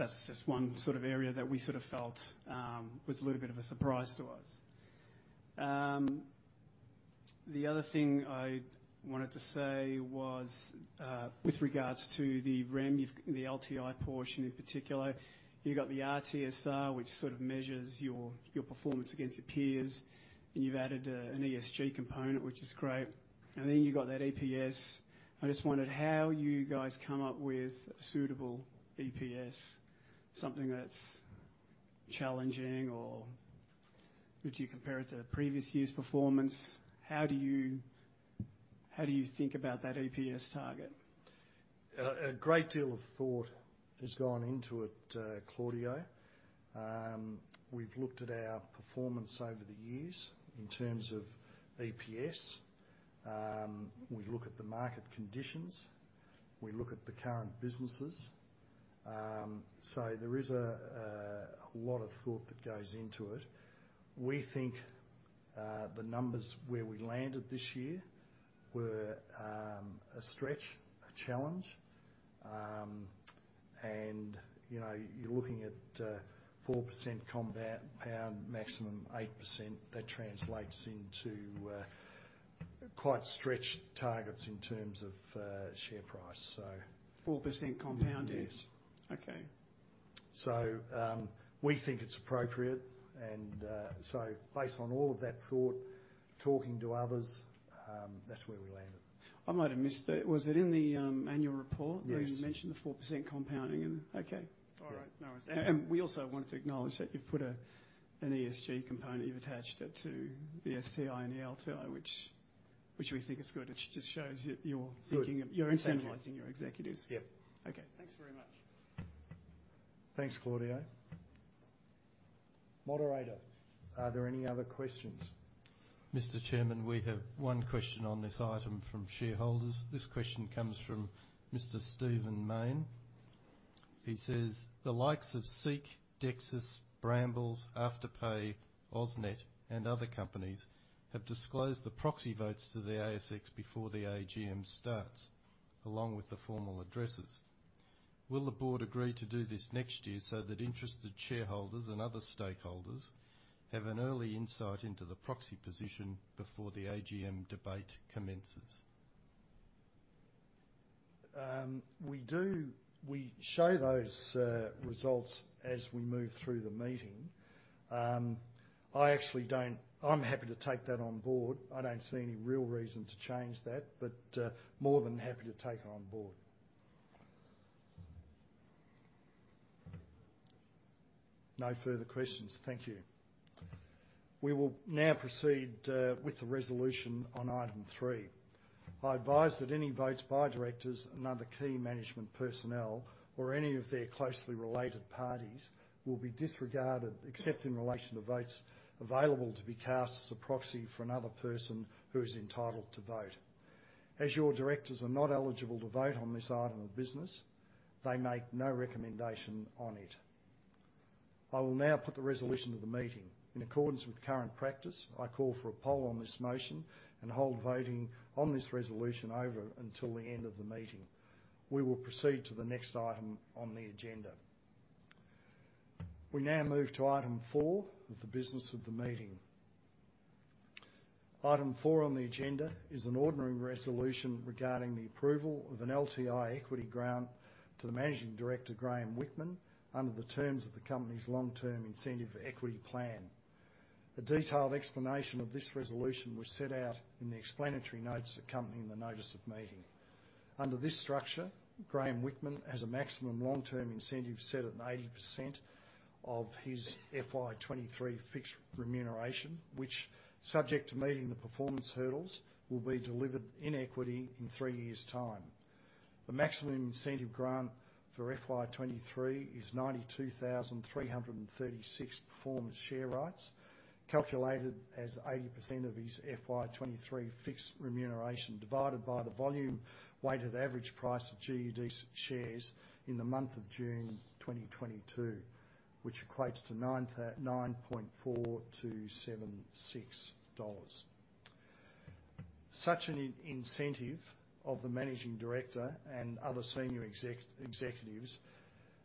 that's just one sort of area that we sort of felt was a little bit of a surprise to us. The other thing I wanted to say was with regards to the REM, you've the LTI portion in particular. You've got the RTSR, which sort of measures your performance against your peers, and you've added an ESG component, which is great. You've got that EPS. I just wondered how you guys come up with a suitable EPS, something that's challenging or do you compare it to previous year's performance? How do you think about that EPS target? A great deal of thought has gone into it, Claudio. We've looked at our performance over the years in terms of EPS. We look at the market conditions. We look at the current businesses. There is a lot of thought that goes into it. We think the numbers where we landed this year were a stretch, a challenge. You know, you're looking at 4% compound, maximum 8%. That translates into quite stretched targets in terms of share price. 4% compound is? Yes. Okay. We think it's appropriate, and so based on all of that thought, talking to others, that's where we landed. I might have missed it. Was it in the annual report? Yes. Where you mentioned the 4% compounding? Okay. Yeah. All right. No worries. We also wanted to acknowledge that you've put an ESG component. You've attached it to the STI and the LTI, which we think is good. It just shows that you're thinking of. Good. Thank you. You're incentivizing your executives. Yeah. Okay. Thanks very much. Thanks, Claudio. Moderator, are there any other questions? Mr. Chairman, we have one question on this item from shareholders. This question comes from Mr. Stephen Mayne. He says, "The likes of SEEK, Dexus, Brambles, Afterpay, AusNet, and other companies have disclosed the proxy votes to the ASX before the AGM starts, along with the formal addresses. Will the board agree to do this next year so that interested shareholders and other stakeholders have an early insight into the proxy position before the AGM debate commences? We do. We show those results as we move through the meeting. I'm happy to take that on board. I don't see any real reason to change that, but more than happy to take it on board. No further questions. Thank you. We will now proceed with the resolution on item three. I advise that any votes by directors and other Key Management Personnel or any of their closely related parties will be disregarded except in relation to votes available to be cast as a proxy for another person who is entitled to vote. As your directors are not eligible to vote on this item of business, they make no recommendation on it. I will now put the resolution to the meeting. In accordance with current practice, I call for a poll on this motion and hold voting on this resolution over until the end of the meeting. We will proceed to the next item on the agenda. We now move to item four of the business of the meeting. Item four on the agenda is an ordinary resolution regarding the approval of an LTI equity grant to the Managing Director, Graeme Whickman, under the terms of the company's long-term incentive equity plan. A detailed explanation of this resolution was set out in the explanatory notes accompanying the notice of meeting. Under this structure, Graeme Whickman has a maximum long-term incentive set at 80% of his FY 2023 fixed remuneration, which, subject to meeting the performance hurdles, will be delivered in equity in three years' time. The maximum incentive grant for FY 2023 is 92,336 performance share rights, calculated as 80% of his FY 2023 fixed remuneration, divided by the volume-weighted average price of GUD's shares in the month of June 2022, which equates to 9.4276 dollars. Such an incentive of the managing director and other senior executives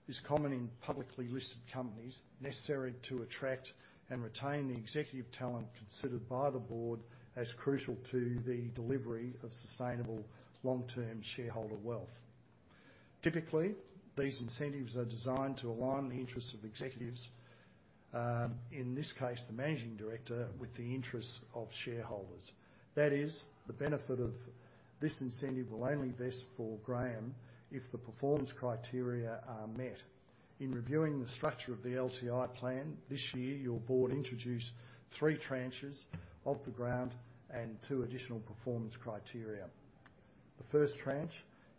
is common in publicly listed companies, necessary to attract and retain the executive talent considered by the board as crucial to the delivery of sustainable long-term shareholder wealth. Typically, these incentives are designed to align the interests of executives, in this case, the managing director, with the interests of shareholders. That is, the benefit of this incentive will only vest for Graeme if the performance criteria are met. In reviewing the structure of the LTI plan, this year, your board introduced three tranches of the grant and two additional performance criteria. The first tranche,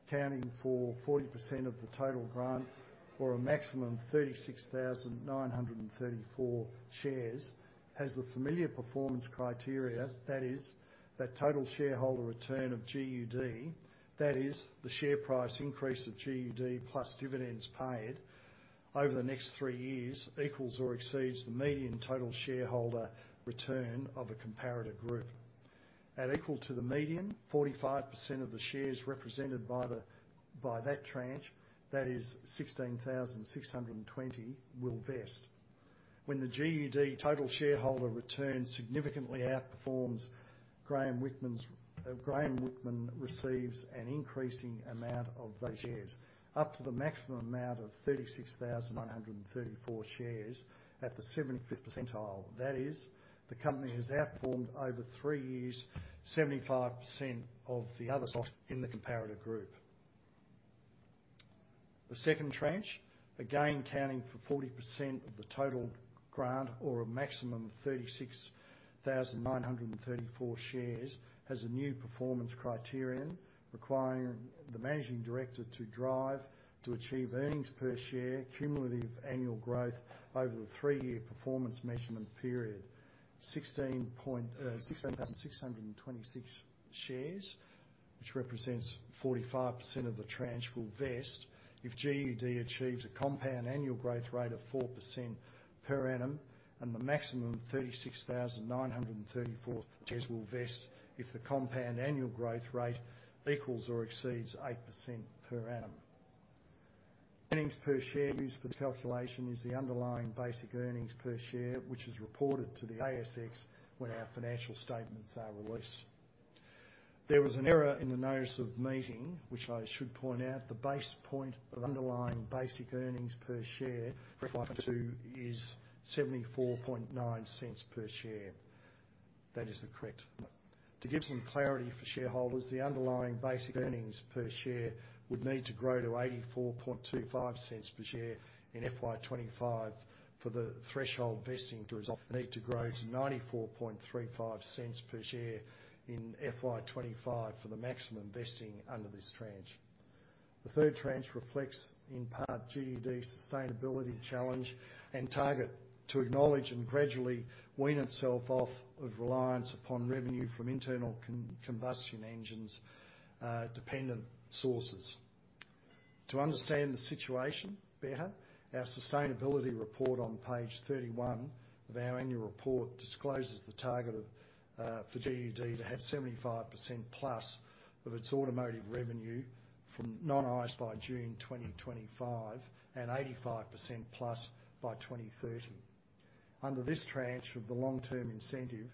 accounting for 40% of the total grant or a maximum of 36,934 shares, has the familiar performance criteria, that is, that total shareholder return of GUD, that is, the share price increase of GUD plus dividends paid over the next three years equals or exceeds the median total shareholder return of a comparator group. At equal to the median, 45% of the shares represented by that tranche, that is 16,620, will vest. When the GUD total shareholder return significantly outperforms, Graeme Whickman receives an increasing amount of those shares up to the maximum amount of 36,934 shares at the 75th percentile. That is, the company has outperformed over three years 75% of the other stocks in the comparator group. The second tranche, again counting for 40% of the total grant or a maximum of 36,934 shares, has a new performance criterion requiring the managing director to drive to achieve earnings per share cumulative annual growth over the three-year performance measurement period. 16,626 shares, which represents 45% of the tranche will vest if GUD achieves a compound annual growth rate of 4% per annum, and the maximum 36,934 shares will vest if the compound annual growth rate equals or exceeds 8% per annum. Earnings per share used for the calculation is the underlying basic earnings per share, which is reported to the ASX when our financial statements are released. There was an error in the notice of meeting, which I should point out, the base point of underlying basic earnings per share for FY 2022 is 0.749 per share. That is the correct amount. To give some clarity for shareholders, the underlying basic earnings per share would need to grow to 0.8425 per share in FY 2025 for the threshold vesting to result. It would need to grow to 0.9435 per share in FY 2025 for the maximum vesting under this tranche. The third tranche reflects, in part, GUD's sustainability challenge and target to acknowledge and gradually wean itself off of reliance upon revenue from internal combustion engines dependent sources. To understand the situation better, our sustainability report on page 31 of our annual report discloses the target of for GUD to have 75%+ of its automotive revenue from non-ICE by June 2025 and 85%+ by 2030. Under this tranche of the long-term incentive,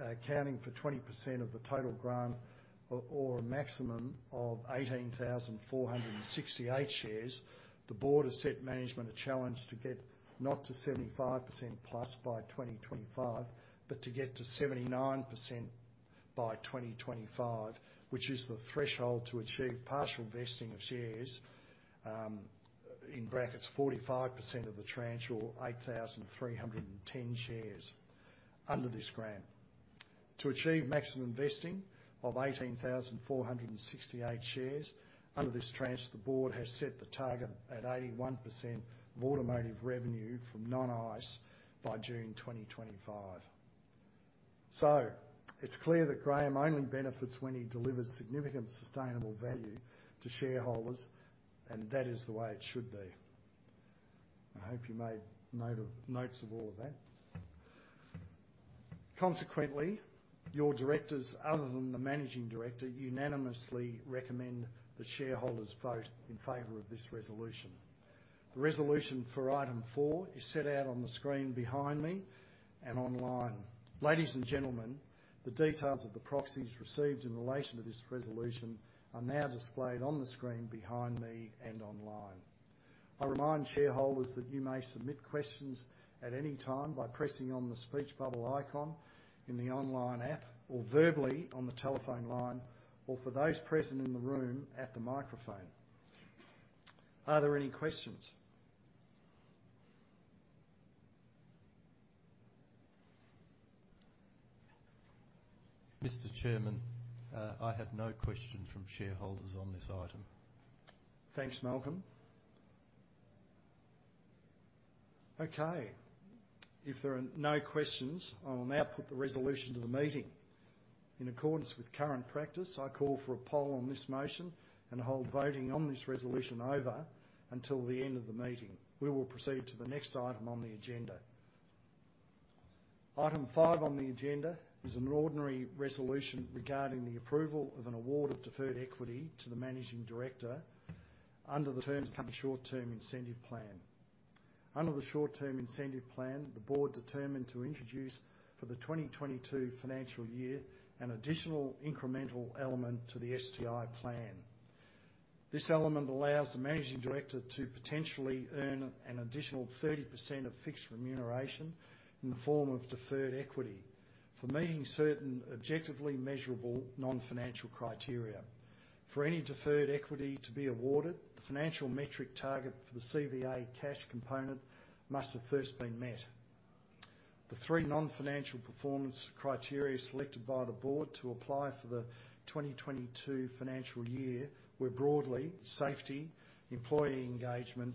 accounting for 20% of the total grant or a maximum of 18,468 shares, the board has set management a challenge to get not to 75%+ by 2025, but to get to 79% by 2025, which is the threshold to achieve partial vesting of shares, in brackets, 45% of the tranche or 8,310 shares under this grant. To achieve maximum vesting of 18,468 shares under this tranche, the board has set the target at 81% of automotive revenue from non-ICE by June 2025. It's clear that Graeme only benefits when he delivers significant sustainable value to shareholders, and that is the way it should be. I hope you made notes of all of that. Consequently, your directors, other than the managing director, unanimously recommend that shareholders vote in favor of this resolution. The resolution for item four is set out on the screen behind me and online. Ladies and gentlemen, the details of the proxies received in relation to this resolution are now displayed on the screen behind me and online. I remind shareholders that you may submit questions at any time by pressing on the speech bubble icon in the online app, or verbally on the telephone line, or for those present in the room, at the microphone. Are there any questions? Mr. Chairman, I have no question from shareholders on this item. Thanks, Malcolm. Okay. If there are no questions, I will now put the resolution to the meeting. In accordance with current practice, I call for a poll on this motion and hold voting on this resolution over until the end of the meeting. We will proceed to the next item on the agenda. Item 5 on the agenda is an ordinary resolution regarding the approval of an award of deferred equity to the managing director under the terms of the short-term incentive plan. Under the short-term incentive plan, the board determined to introduce for the 2022 financial year an additional incremental element to the STI plan. This element allows the managing director to potentially earn an additional 30% of fixed remuneration in the form of deferred equity for meeting certain objectively measurable non-financial criteria. For any deferred equity to be awarded, the financial metric target for the CVA cash component must have first been met. The three non-financial performance criteria selected by the board to apply for the 2022 financial year were broadly safety, employee engagement,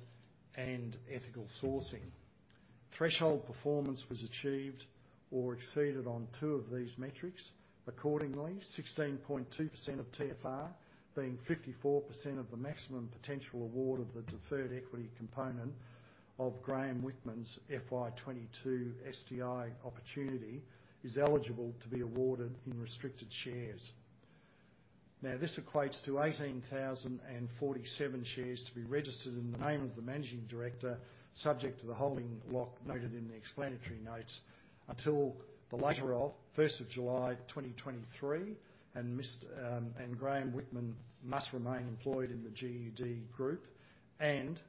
and ethical sourcing. Threshold performance was achieved or exceeded on two of these metrics. Accordingly, 16.2% of TFR being 54% of the maximum potential award of the deferred equity component of Graeme Whickman's FY 2022 STI opportunity is eligible to be awarded in restricted shares. This equates to 18,047 shares to be registered in the name of the managing director, subject to the holding lock noted in the explanatory notes, until the latter of 1st of July 2023 and Graeme Whickman must remain employed in the GUD group and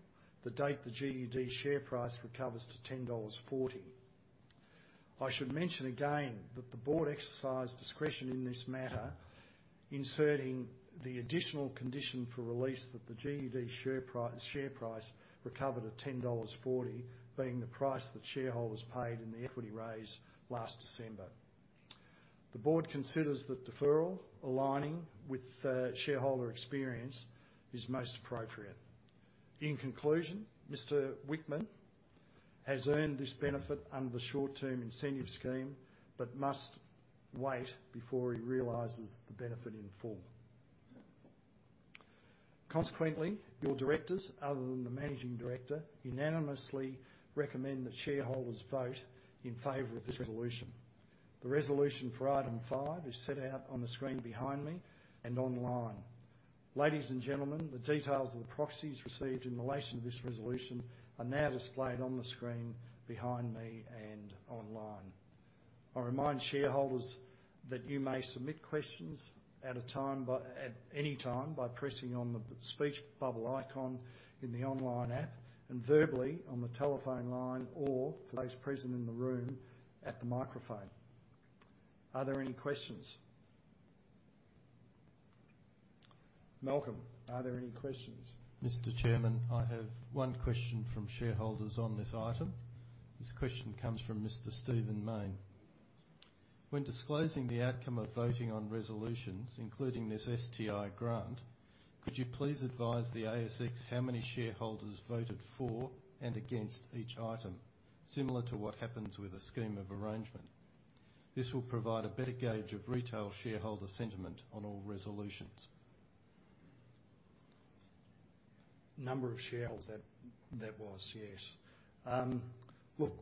the date the GUD share price recovers to 10.40 dollars. I should mention again that the board exercised discretion in this matter, inserting the additional condition for release that the GUD share price recovered at 10.40 dollars, being the price that shareholders paid in the equity raise last December. The board considers that deferral aligning with shareholder experience is most appropriate. In conclusion, Mr. Whickman has earned this benefit under the short-term incentive scheme, but must wait before he realizes the benefit in full. Consequently, your directors, other than the managing director, unanimously recommend that shareholders vote in favor of this resolution. The resolution for item five is set out on the screen behind me and online. Ladies and gentlemen, the details of the proxies received in relation to this resolution are now displayed on the screen behind me and online. I remind shareholders that you may submit questions at any time by pressing on the speech bubble icon in the online app and verbally on the telephone line or for those present in the room, at the microphone. Are there any questions? Malcolm, are there any questions? Mr. Chairman, I have one question from shareholders on this item. This question comes from Mr. Stephen Mayne. When disclosing the outcome of voting on resolutions, including this STI grant, could you please advise the ASX how many shareholders voted for and against each item, similar to what happens with a scheme of arrangement? This will provide a better gauge of retail shareholder sentiment on all resolutions. Number of shareholders that was. Yes. Look,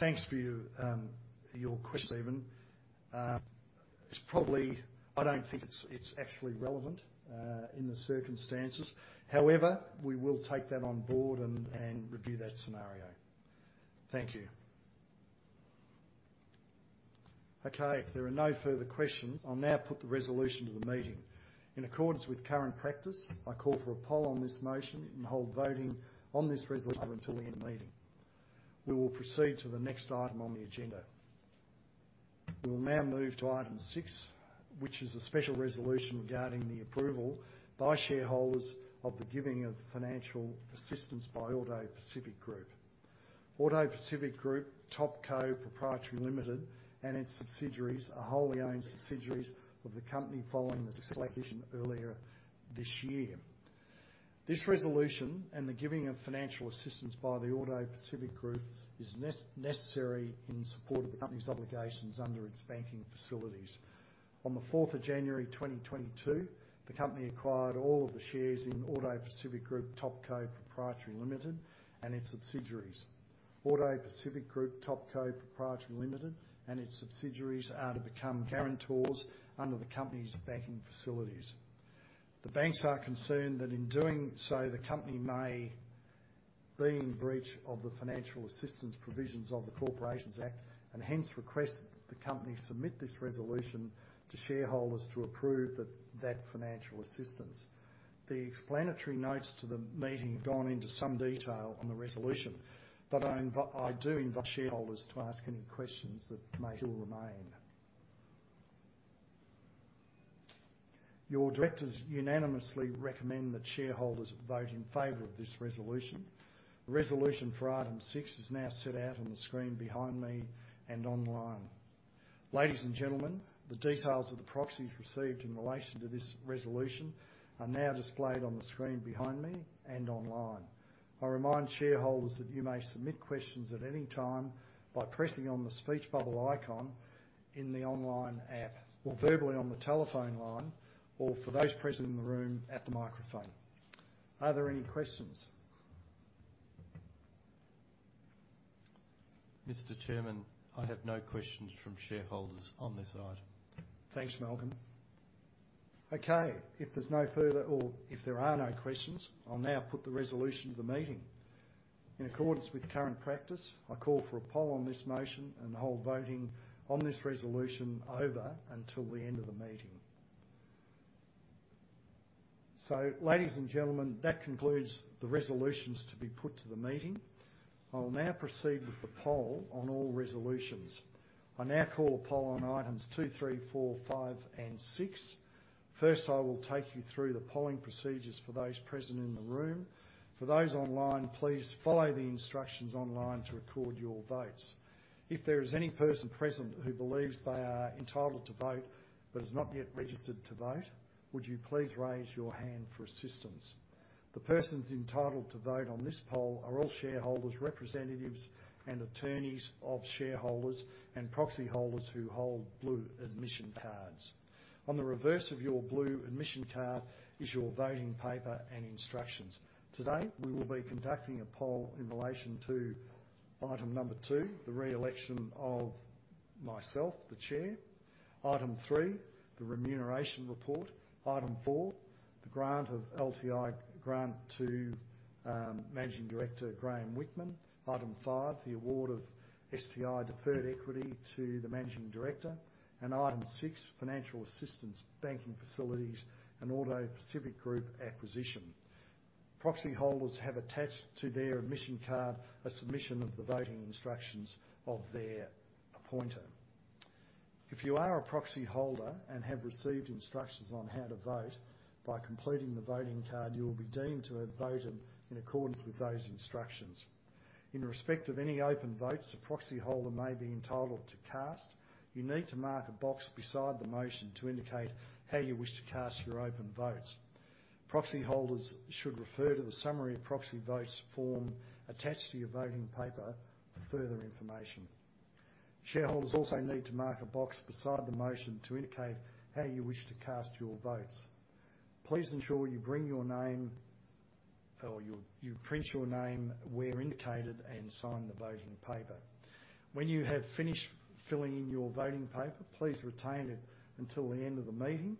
thanks for your question, Stephen. It's probably. I don't think it's actually relevant in the circumstances. However, we will take that on board and review that scenario. Thank you. Okay. If there are no further questions, I'll now put the resolution to the meeting. In accordance with current practice, I call for a poll on this motion and hold voting on this resolution until the end of the meeting. We will proceed to the next item on the agenda. We will now move to item six, which is a special resolution regarding the approval by shareholders of the giving of financial assistance by AutoPacific Group. AutoPacific Group Topco Pty Ltd and its subsidiaries are wholly owned subsidiaries of the company following the acquisition earlier this year. This resolution and the giving of financial assistance by the AutoPacific Group is necessary in support of the company's obligations under its banking facilities. On the fourth of January 2022, the company acquired all of the shares in AutoPacific Group Topco Pty Ltd and its subsidiaries. AutoPacific Group Topco Pty Ltd and its subsidiaries are to become guarantors under the company's banking facilities. The banks are concerned that in doing so, the company may be in breach of the financial assistance provisions of the Corporations Act and hence request the company submit this resolution to shareholders to approve that financial assistance. The explanatory notes to the meeting have gone into some detail on the resolution, but I do invite shareholders to ask any questions that may still remain. Your directors unanimously recommend that shareholders vote in favor of this resolution. The resolution for item six is now set out on the screen behind me and online. Ladies and gentlemen, the details of the proxies received in relation to this resolution are now displayed on the screen behind me and online. I remind shareholders that you may submit questions at any time by pressing on the speech bubble icon in the online app or verbally on the telephone line, or for those present in the room, at the microphone. Are there any questions? Mr. Chairman, I have no questions from shareholders on this item. Thanks, Malcolm. Okay, if there's no further or if there are no questions, I'll now put the resolution to the meeting. In accordance with current practice, I call for a poll on this motion and hold voting on this resolution over until the end of the meeting. Ladies and gentlemen, that concludes the resolutions to be put to the meeting. I will now proceed with the poll on all resolutions. I now call a poll on items two, three, four, five, and six. First, I will take you through the polling procedures for those present in the room. For those online, please follow the instructions online to record your votes. If there is any person present who believes they are entitled to vote but has not yet registered to vote, would you please raise your hand for assistance? The persons entitled to vote on this poll are all shareholders, representatives, and attorneys of shareholders and proxy holders who hold blue admission cards. On the reverse of your blue admission card is your voting paper and instructions. Today, we will be conducting a poll in relation to item number two, the re-election of myself, the Chair. Item three, the remuneration report. Item four, the grant of LTI grant to Managing Director, Graeme Whickman. Item five, the award of STI deferred equity to the Managing Director. Item six, financial assistance, banking facilities, and AutoPacific Group acquisition. Proxy holders have attached to their admission card a submission of the voting instructions of their appointer. If you are a proxy holder and have received instructions on how to vote, by completing the voting card, you will be deemed to have voted in accordance with those instructions. In respect of any open votes a proxy holder may be entitled to cast, you need to mark a box beside the motion to indicate how you wish to cast your open votes. Proxy holders should refer to the summary of proxy votes form attached to your voting paper for further information. Shareholders also need to mark a box beside the motion to indicate how you wish to cast your votes. Please ensure you print your name where indicated and sign the voting paper. When you have finished filling in your voting paper, please retain it until the end of the meeting,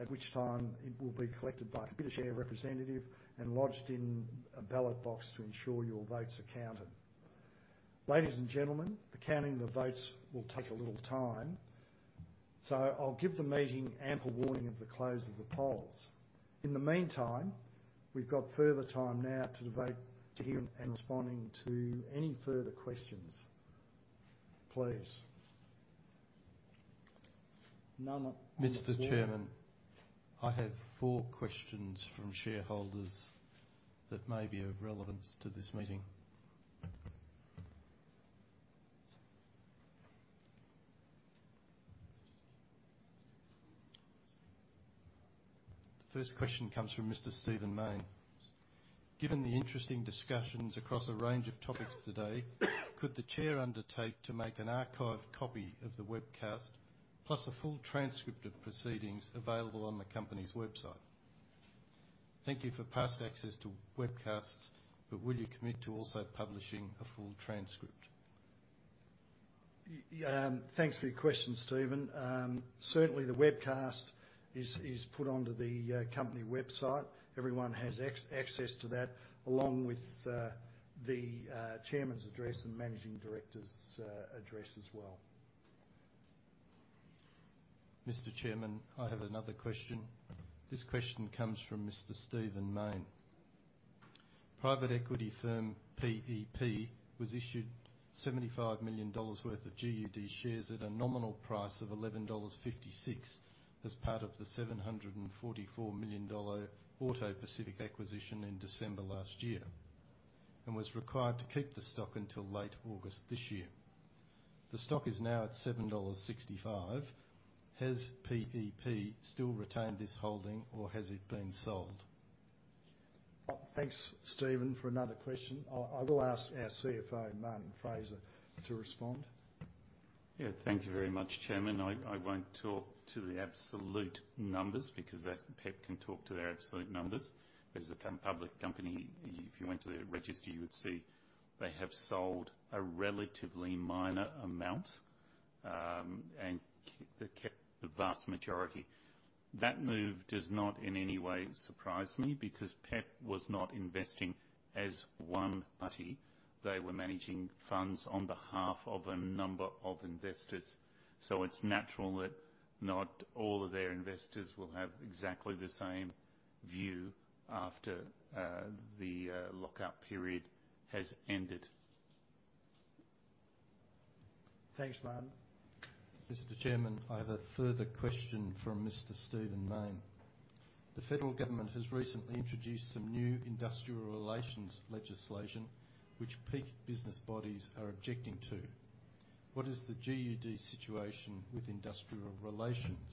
at which time it will be collected by the share representative and lodged in a ballot box to ensure your votes are counted. Ladies and gentlemen, the counting of the votes will take a little time, so I'll give the meeting ample warning of the close of the polls. In the meantime, we've got further time now to devote to hearing and responding to any further questions. Please? None on. Mr. Chairman, I have four questions from shareholders that may be of relevance to this meeting. The first question comes from Mr. Stephen Mayne. Given the interesting discussions across a range of topics today, could the Chair undertake to make an archived copy of the webcast plus a full transcript of proceedings available on the company's website? Thank you for past access to webcasts, but will you commit to also publishing a full transcript? Yeah. Thanks for your question, Stephen. Certainly, the webcast is put onto the company website. Everyone has access to that, along with the chairman's address and managing director's address as well. Mr. Chairman, I have another question. This question comes from Mr. Stephen Mayne. Private equity firm PEP was issued AUD 75 million worth of GUD shares at a nominal price of AUD 11.56 as part of the AUD 744 million AutoPacific acquisition in December last year and was required to keep the stock until late August this year. The stock is now at 7.65 dollars. Has PEP still retained this holding or has it been sold? Well, thanks, Stephen, for another question. I will ask our CFO, Martin Fraser, to respond. Yeah, thank you very much, Chairman. I won't talk to the absolute numbers because PEP can talk to their absolute numbers. As a come-public company, if you went to their register, you would see they have sold a relatively minor amount, and they kept the vast majority. That move does not in any way surprise me because PEP was not investing as one party. They were managing funds on behalf of a number of investors. It's natural that not all of their investors will have exactly the same view after the lock-up period has ended. Thanks, Martin. Mr. Chairman, I have a further question from Mr. Stephen Mayne. The federal government has recently introduced some new industrial relations legislation which peak business bodies are objecting to. What is the GUD situation with industrial relations?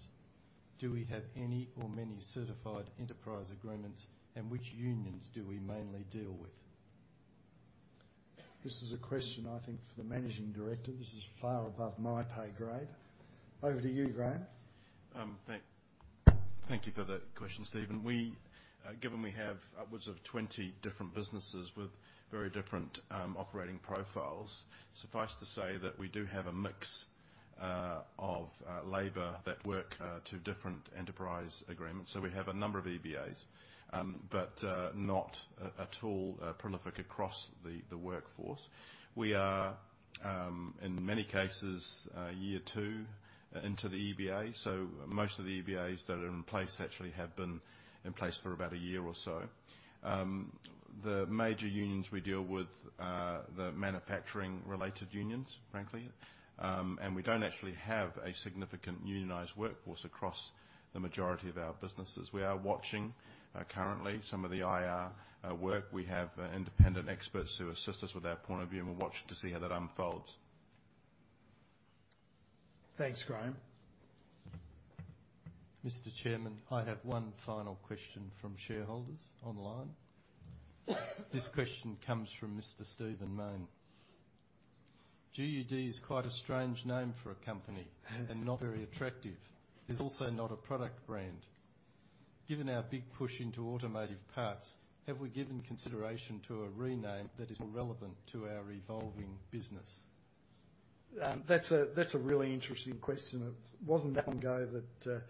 Do we have any or many certified enterprise agreements? And which unions do we mainly deal with? This is a question, I think, for the managing director. This is far above my pay grade. Over to you, Graeme. Thank you for that question, Stephen. Given we have upwards of 20 different businesses with very different operating profiles, suffice to say that we do have a mix of labor that work to different enterprise agreements. We have a number of EBAs, not at all prolific across the workforce. We are in many cases year two into the EBA. Most of the EBAs that are in place actually have been in place for about a year or so. The major unions we deal with are the manufacturing related unions, frankly. We don't actually have a significant unionized workforce across the majority of our businesses. We are watching currently some of the IR work. We have independent experts who assist us with our point of view. We're watching to see how that unfolds. Thanks, Graeme. Mr. Chairman, I have one final question from shareholders online. This question comes from Mr. Stephen Mayne. GUD is quite a strange name for a company and not very attractive. It's also not a product brand. Given our big push into automotive parts, have we given consideration to a rename that is relevant to our evolving business? That's a really interesting question. It wasn't that long ago that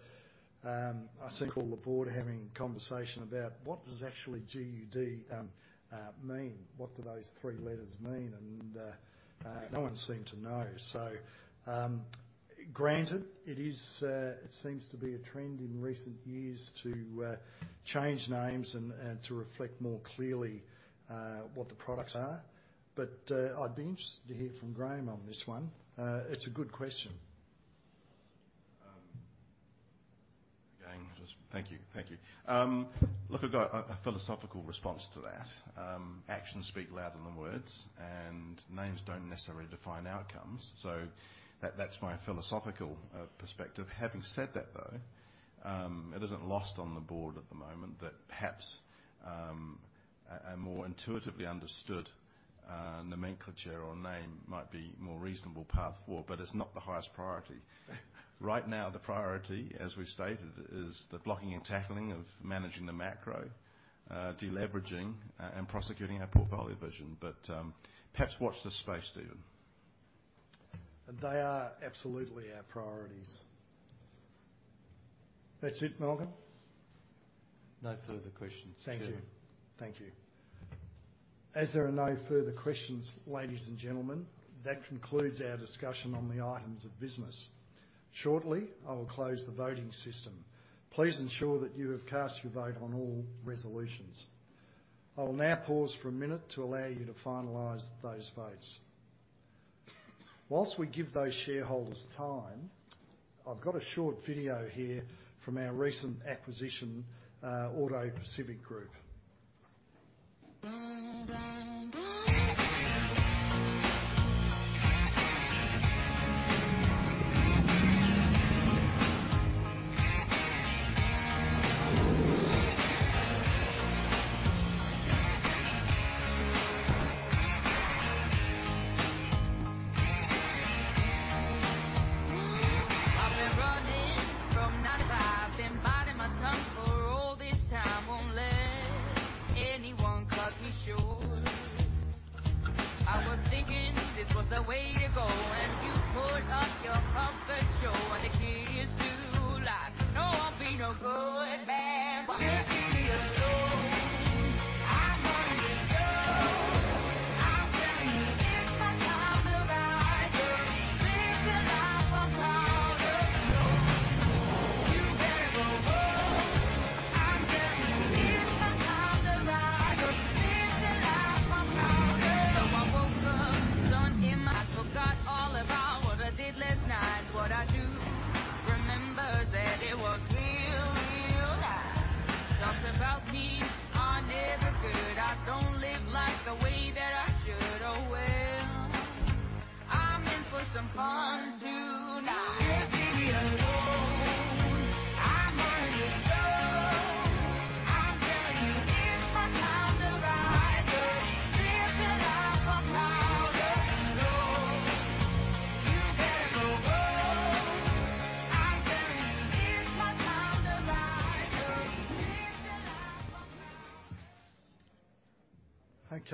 I think all the board having conversation about what does actually GUD mean. What do those three letters mean? No one seemed to know. Granted, it is, it seems to be a trend in recent years to change names and to reflect more clearly what the products are. I'd be interested to hear from Graeme on this one. It's a good question. Again, just thank you. Look, I've got a philosophical response to that. Actions speak louder than words and names don't necessarily define outcomes. That, that's my philosophical perspective. Having said that, though, it isn't lost on the board at the moment that perhaps a more intuitively understood nomenclature or name might be more reasonable path, but it's not the highest priority. Right now, the priority, as we've stated, is the blocking and tackling of managing the macro de-leveraging and prosecuting our portfolio vision. Perhaps watch this space, Stephen. They are absolutely our priorities. That's it, Malcolm? No further questions, Chairman. Thank you. Thank you. As there are no further questions, ladies and gentlemen, that concludes our discussion on the items of business.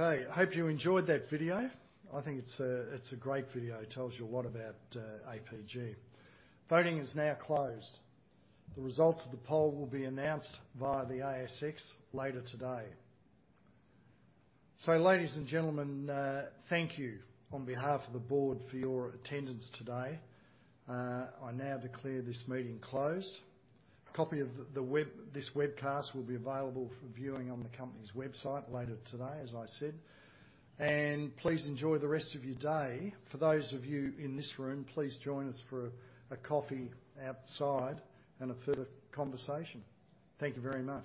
I hope you enjoyed that video. I think it's a great video. It tells you a lot about the APG. Voting is now closed. The results of the poll will be announced via the ASX later today. Ladies and gentlemen, thank you on behalf of the board for your attendance today. I now declare this meeting closed. A copy of this webcast will be available or viewing on the company's website later today, as I said. Please enjoy the rest of your day. For those of you in this room, please join us for a coffee outside and a further conversation. Thank you very much.